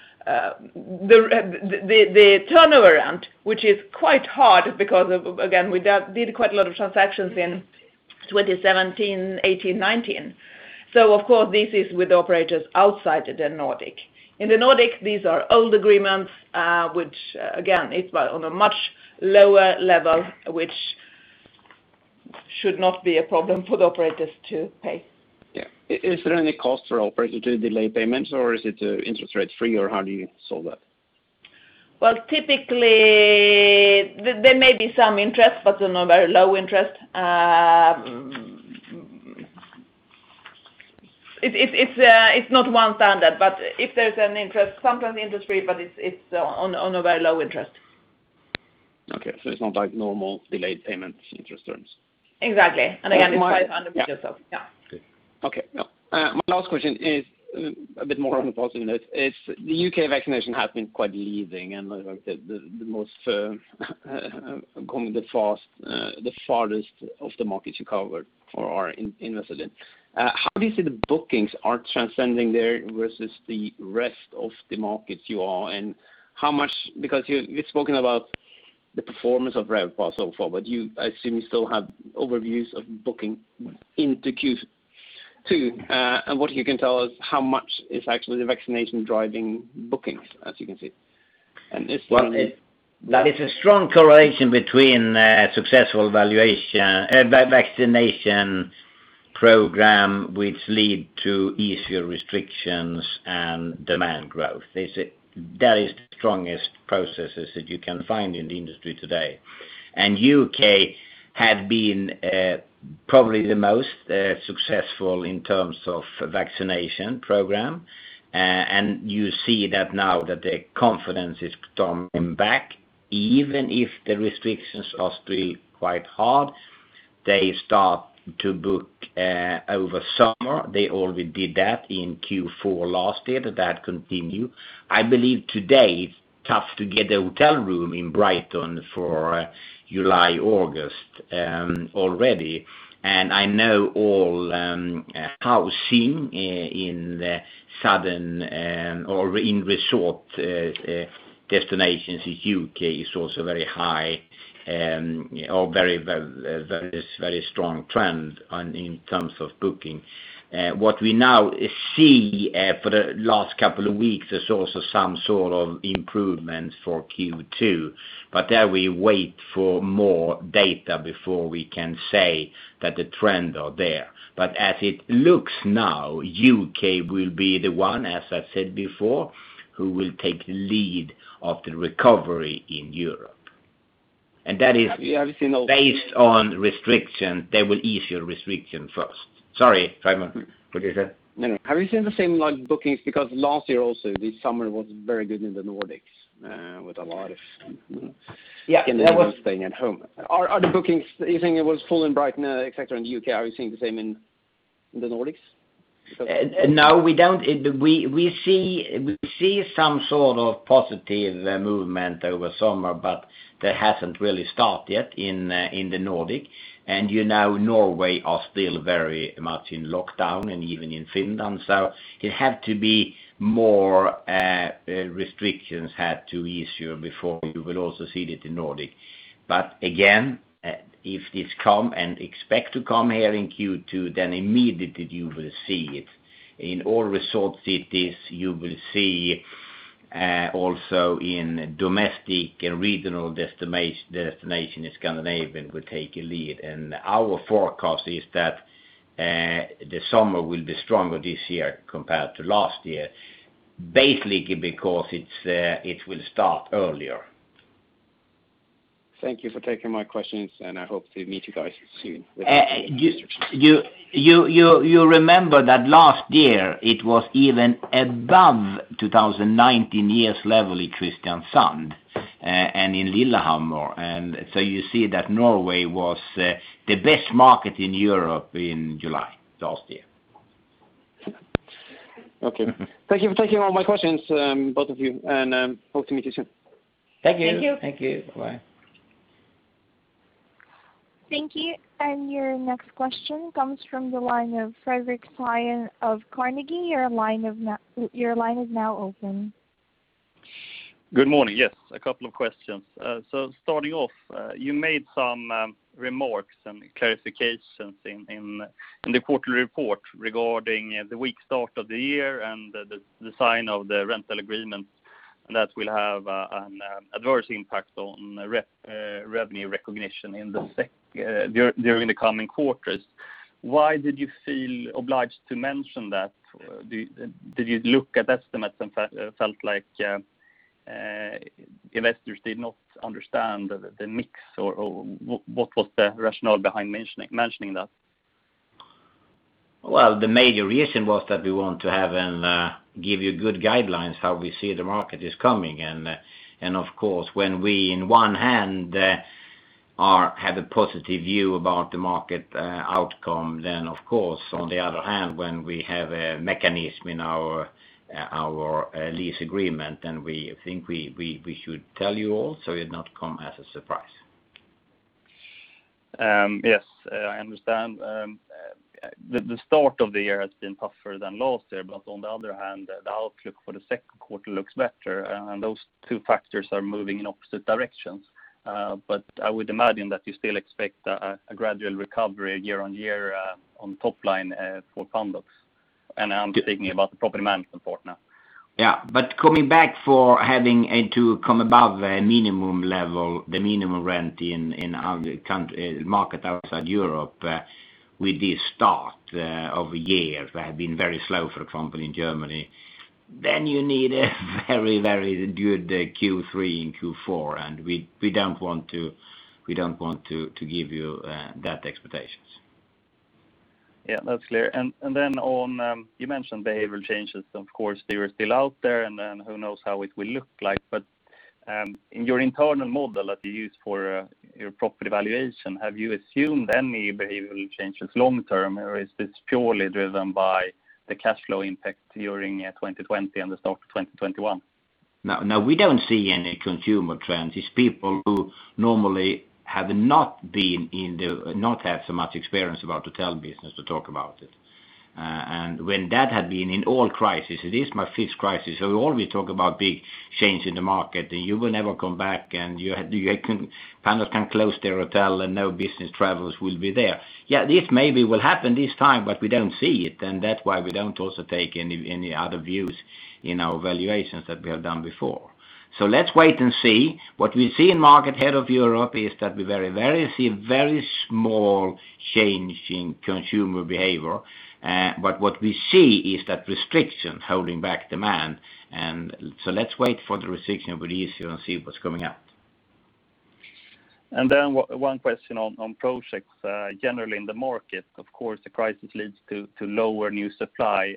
turnover rent, which is quite hard because, again, we did quite a lot of transactions in 2017, 2018, 2019. Of course, this is with operators outside the Nordic. In the Nordic, these are old agreements, which again, it's on a much lower level, which should not be a problem for the operators to pay. Yeah. Is there any cost for operators to delay payments, or is it interest rate free, or how do you solve that? Well, typically, there may be some interest, but on a very low interest. It's not one standard, but if there's an interest, sometimes interest-free, but it's on a very low interest. It's not like normal delayed payment interest terms. Exactly. Again, it's quite individual. Yeah. Yeah. Okay. My last question is a bit more on the positive note. The U.K. vaccination has been quite leading and the most going the farthest of the markets you covered or are invested in. How do you see the bookings are transcending there versus the rest of the markets you are? How much, because you've spoken about the performance of RevPAR so far, but I assume you still have overviews of booking into Q2. What you can tell us how much is actually the vaccination driving bookings as you can see? There is a strong correlation between a successful vaccination program which lead to easier restrictions and demand growth. That is the strongest processes that you can find in the industry today. U.K. had been probably the most successful in terms of vaccination program. You see that now that the confidence is coming back, even if the restrictions are still quite hard. They start to book over summer. They already did that in Q4 last year, that continue. I believe today, it's tough to get a hotel room in Brighton for July, August, already. I know all housing in southern or in resort destinations in U.K. is also very high or very strong trend in terms of booking. What we now see for the last couple of weeks is also some sort of improvements for Q2, there we wait for more data before we can say that the trend are there. As it looks now, U.K. will be the one, as I've said before, who will take lead of the recovery in Europe. That is based on restriction. They will ease your restriction first. Sorry, Simen, what did you say? No, have you seen the same bookings? Because last year also, this summer was very good in the Nordics. Yeah. People staying at home. Are the bookings, you think it was full in Brighton, et cetera, in the U.K.? Are you seeing the same in the Nordics? No, we don't. We see some sort of positive movement over summer, but that hasn't really start yet in the Nordic. You know Norway are still very much in lockdown, and even in Finland. It had to be more restrictions had to ease here before you will also see it in Nordic. Again, if this comes, and expect it to come here in Q2, then immediately you will see it. In all resort cities, you will see also in domestic and regional destinations, Scandinavia will take a lead. Our forecast is that the summer will be stronger this year compared to last year, basically because it will start earlier. Thank you for taking my questions, and I hope to meet you guys soon with. You remember that last year it was even above 2019 year's level in Kristiansand and in Lillehammer. You see that Norway was the best market in Europe in July last year. Okay. Thank you for taking all my questions, both of you, and hope to meet you soon. Thank you. Thank you. Bye. Thank you. Your next question comes from the line of Fredrik Ståhl of Carnegie. Your line is now open. Good morning. Yes, a couple of questions. Starting off, you made some remarks and clarifications in the quarterly report regarding the weak start of the year and the design of the rental agreements that will have an adverse impact on revenue recognition during the coming quarters. Why did you feel obliged to mention that? Did you look at estimates and felt like investors did not understand the mix? What was the rationale behind mentioning that? Well, the major reason was that we want to give you good guidelines how we see the market is coming. Of course, when we on one hand have a positive view about the market outcome, of course, on the other hand, when we have a mechanism in our lease agreement, we think we should tell you all, so it not come as a surprise. Yes, I understand. The start of the year has been tougher than last year. On the other hand, the outlook for the second quarter looks better, and those two factors are moving in opposite directions. I would imagine that you still expect a gradual recovery year-on-year on top line for Pandox. I'm thinking about the property management part now. Coming back for having to come above the minimum rent in market outside Europe with the start of year have been very slow for company in Germany. You need a very good Q3 and Q4. We don't want to give you that expectations. Yeah, that's clear. You mentioned behavioral changes. Of course, they are still out there. Who knows how it will look like. In your internal model that you use for your property valuation, have you assumed any behavioral changes long term, or is this purely driven by the cash flow impact during 2020 and the start of 2021? We don't see any consumer trends. It's people who normally have not had so much experience about hotel business to talk about it. When that had been in all crisis, it is my fifth crisis. All we talk about big change in the market, and you will never come back, and Pandox can close their hotel and no business travelers will be there. Yeah, this maybe will happen this time, but we don't see it. That's why we don't also take any other views in our valuations that we have done before. Let's wait and see. What we see in market head of Europe is that we see very small change in consumer behavior. What we see is that restriction holding back demand. Let's wait for the restriction will ease here and see what's coming up. Then one question on projects. Generally in the market, of course, the crisis leads to lower new supply.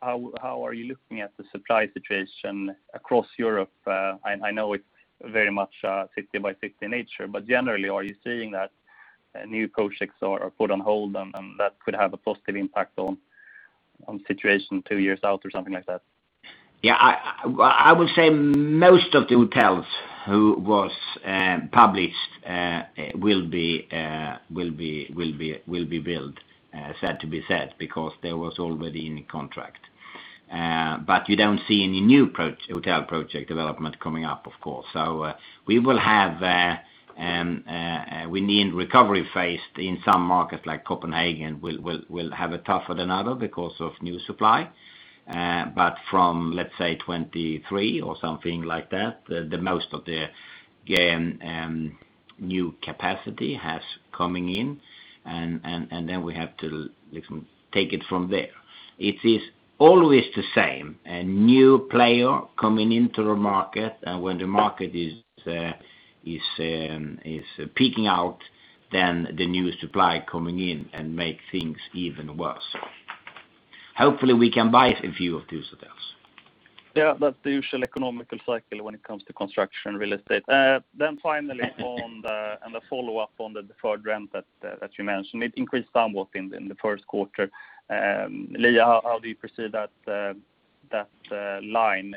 How are you looking at the supply situation across Europe? I know it's very much a city-by-city nature. Generally, are you seeing that new projects are put on hold and that could have a positive impact on situation two years out or something like that? I would say most of the hotels who was published will be built, sad to be said, because they was already in contract. You don't see any new hotel project development coming up, of course. We need recovery phase in some markets like Copenhagen will have it tougher than other because of new supply. From, let's say, 2023 or something like that, the most of the new capacity has coming in, we have to take it from there. It is always the same. A new player coming into the market, when the market is peaking out, the new supply coming in and make things even worse. Hopefully, we can buy a few of those hotels. Yeah, that's the usual economical cycle when it comes to construction real estate. Finally on the follow-up on the deferred rent that you mentioned. It increased somewhat in the first quarter. Liia, how do you perceive that line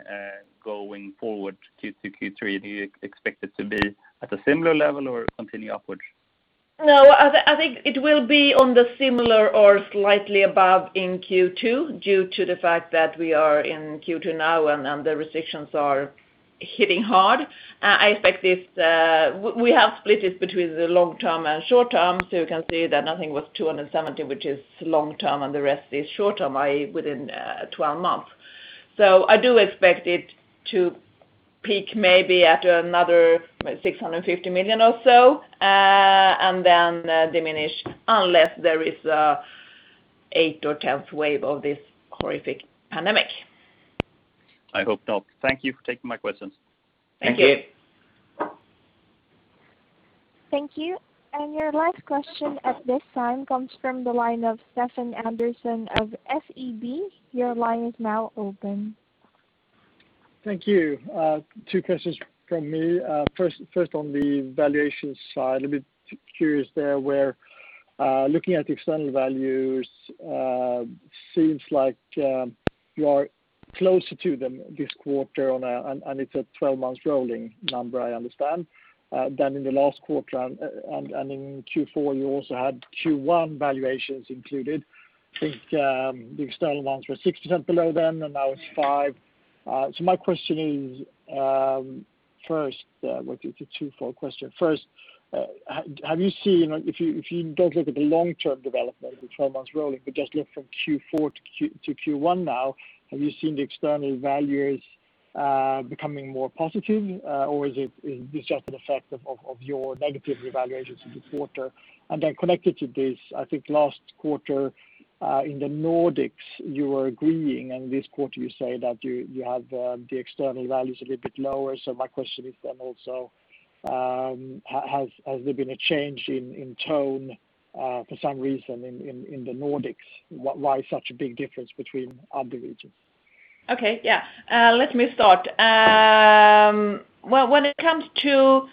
going forward Q2, Q3? Do you expect it to be at a similar level or continue upwards? I think it will be on the similar or slightly above in Q2 due to the fact that we are in Q2 now and the restrictions are hitting hard. We have split this between the long term and short term, so you can see that nothing was 270, which is long term, and the rest is short term, i.e., within 12 months. I do expect it to peak maybe at another 650 million or so, and then diminish unless there is an eighth or 10th wave of this horrific pandemic. I hope not. Thank you for taking my questions. Thank you. Thank you. Thank you. Your last question at this time comes from the line of Stefan Andersson of SEB. Your line is now open. Thank you. Two questions from me. First, on the valuation side, a bit curious there where, looking at external values, seems like you are closer to them this quarter, and it's a 12 months rolling number, I understand, than in the last quarter. In Q4, you also had Q1 valuations included. I think the external ones were 6% below then, and now it's 5%. My question is, first, if you don't look at the long-term development of the 12 months rolling, but just look from Q4 to Q1 now, have you seen the external values becoming more positive? Is this just an effect of your negative revaluations in the quarter? Connected to this, I think last quarter, in the Nordics, you were agreeing, and this quarter you say that you have the external values a little bit lower. My question is then also, has there been a change in tone for some reason in the Nordics? Why such a big difference between other regions? Okay. Yeah. Let me start. Well, when it comes to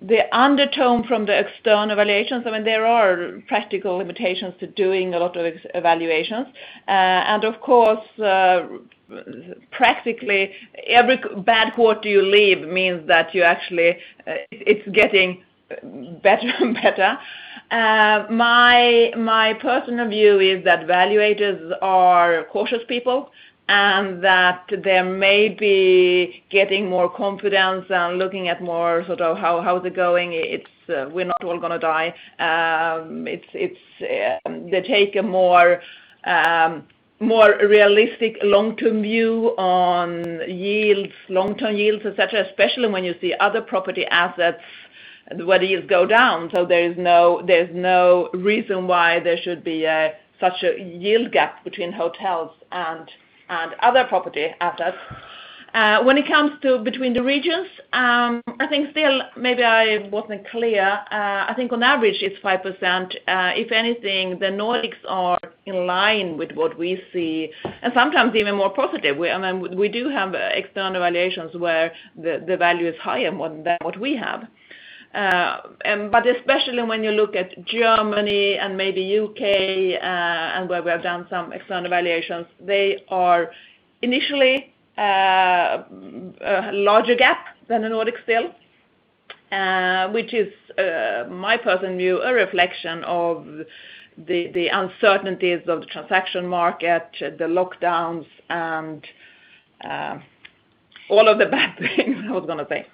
the undertone from the external valuations, there are practical limitations to doing a lot of evaluations. Of course, practically, every bad quarter you leave means that it's getting better and better. My personal view is that valuators are cautious people, and that they may be getting more confidence and looking at more how's it going. We're not all going to die. They take a more realistic long-term view on yields, long-term yields, et cetera, especially when you see other property assets where yields go down. There is no reason why there should be such a yield gap between hotels and other property assets. When it comes to between the regions, I think still, maybe I wasn't clear. I think on average it's 5%. If anything, the Nordics are in line with what we see, and sometimes even more positive. We do have external valuations where the value is higher than what we have. Especially when you look at Germany and maybe U.K., and where we have done some external valuations, they are initially a larger gap than the Nordics still, which is, my personal view, a reflection of the uncertainties of the transaction market, the lockdowns, and all of the bad things I was going to say.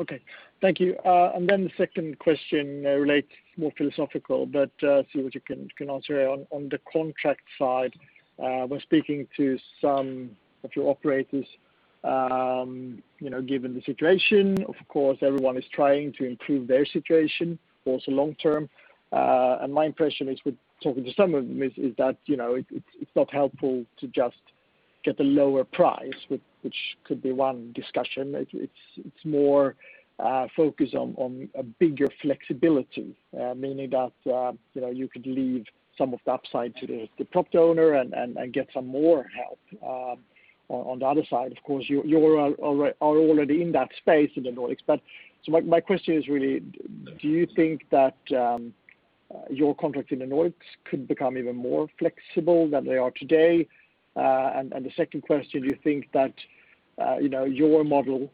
Okay. Thank you. The second question relates more philosophical, but see what you can answer on the contract side. When speaking to some of your operators, given the situation, of course, everyone is trying to improve their situation also long term. My impression with talking to some of them is that it's not helpful to just get a lower price, which could be one discussion. It's more a focus on a bigger flexibility, meaning that you could leave some of the upside to the property owner and get some more help. On the other side, of course, you are already in that space in the Nordics. My question is really, do you think that your contracts in the Nordics could become even more flexible than they are today? The second question, do you think that your model,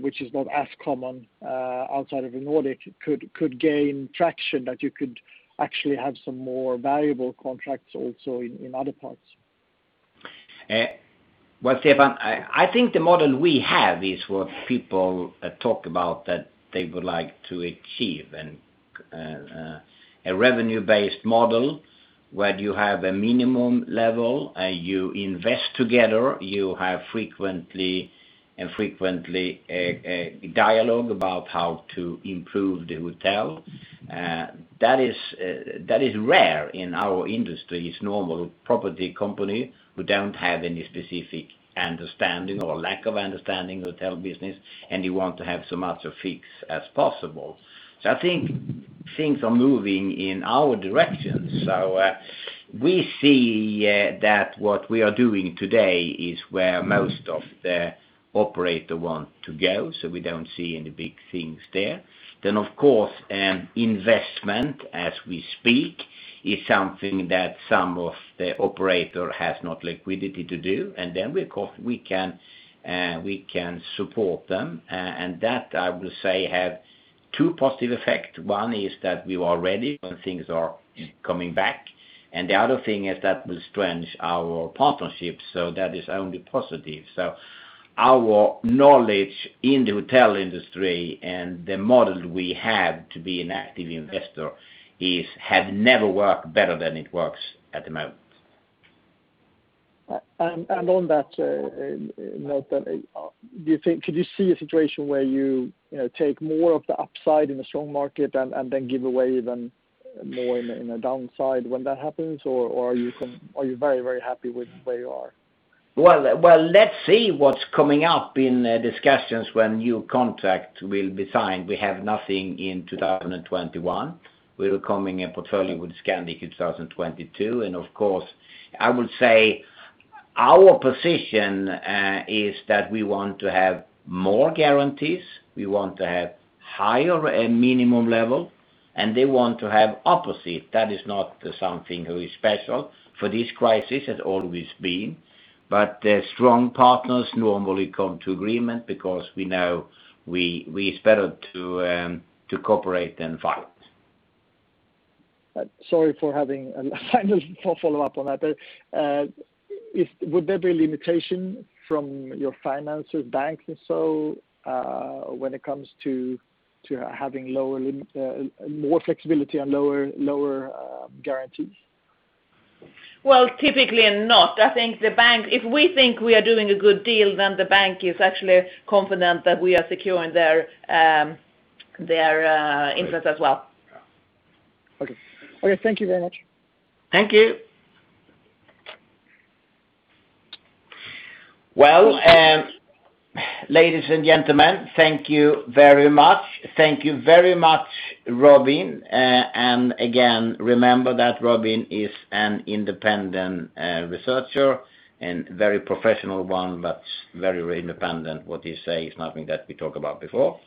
which is not as common outside of the Nordic, could gain traction, that you could actually have some more valuable contracts also in other parts? Well, Stefan, I think the model we have is what people talk about that they would like to achieve, a revenue-based model where you have a minimum level, you invest together, you have frequently a dialogue about how to improve the hotel. That is rare in our industry. It's normal property company who don't have any specific understanding or lack of understanding hotel business, and you want to have so much of fixed as possible. I think things are moving in our direction. We see that what we are doing today is where most of the operator want to go, so we don't see any big things there. Of course, Investment, as we speak, is something that some of the operator has not liquidity to do, and then we can support them. That, I will say, have two positive effect. One is that we are ready when things are coming back, and the other thing is that will strengthen our partnership. That is only positive. Our knowledge in the hotel industry and the model we have to be an active investor have never worked better than it works at the moment. On that note, could you see a situation where you take more of the upside in a strong market and then give away even more in the downside when that happens? Are you very happy with where you are? Let's see what's coming up in discussions when new contract will be signed. We have nothing in 2021. We're coming in portfolio with Scandic in 2022, of course, I would say our position is that we want to have more guarantees. We want to have higher minimum level, they want to have opposite. That is not something very special for this crisis, has always been. Strong partners normally come to agreement because we know it's better to cooperate than fight. Sorry for having a final follow-up on that. Would there be limitation from your financers, banks and so, when it comes to having more flexibility and lower guarantees? Well, typically not. If we think we are doing a good deal, then the bank is actually confident that we are securing their interest as well. Okay. Thank you very much. Thank you. Well, ladies and gentlemen, thank you very much. Thank you very much, Robin. Again, remember that Robin is an independent researcher and very professional one, but very independent. What he say is nothing that we talk about before.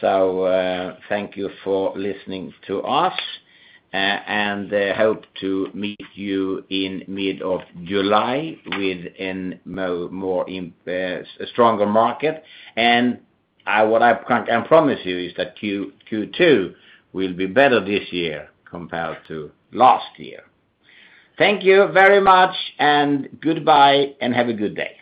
Thank you for listening to us, and hope to meet you in mid of July with a stronger market. What I can promise you is that Q2 will be better this year compared to last year. Thank you very much, and goodbye, and have a good day.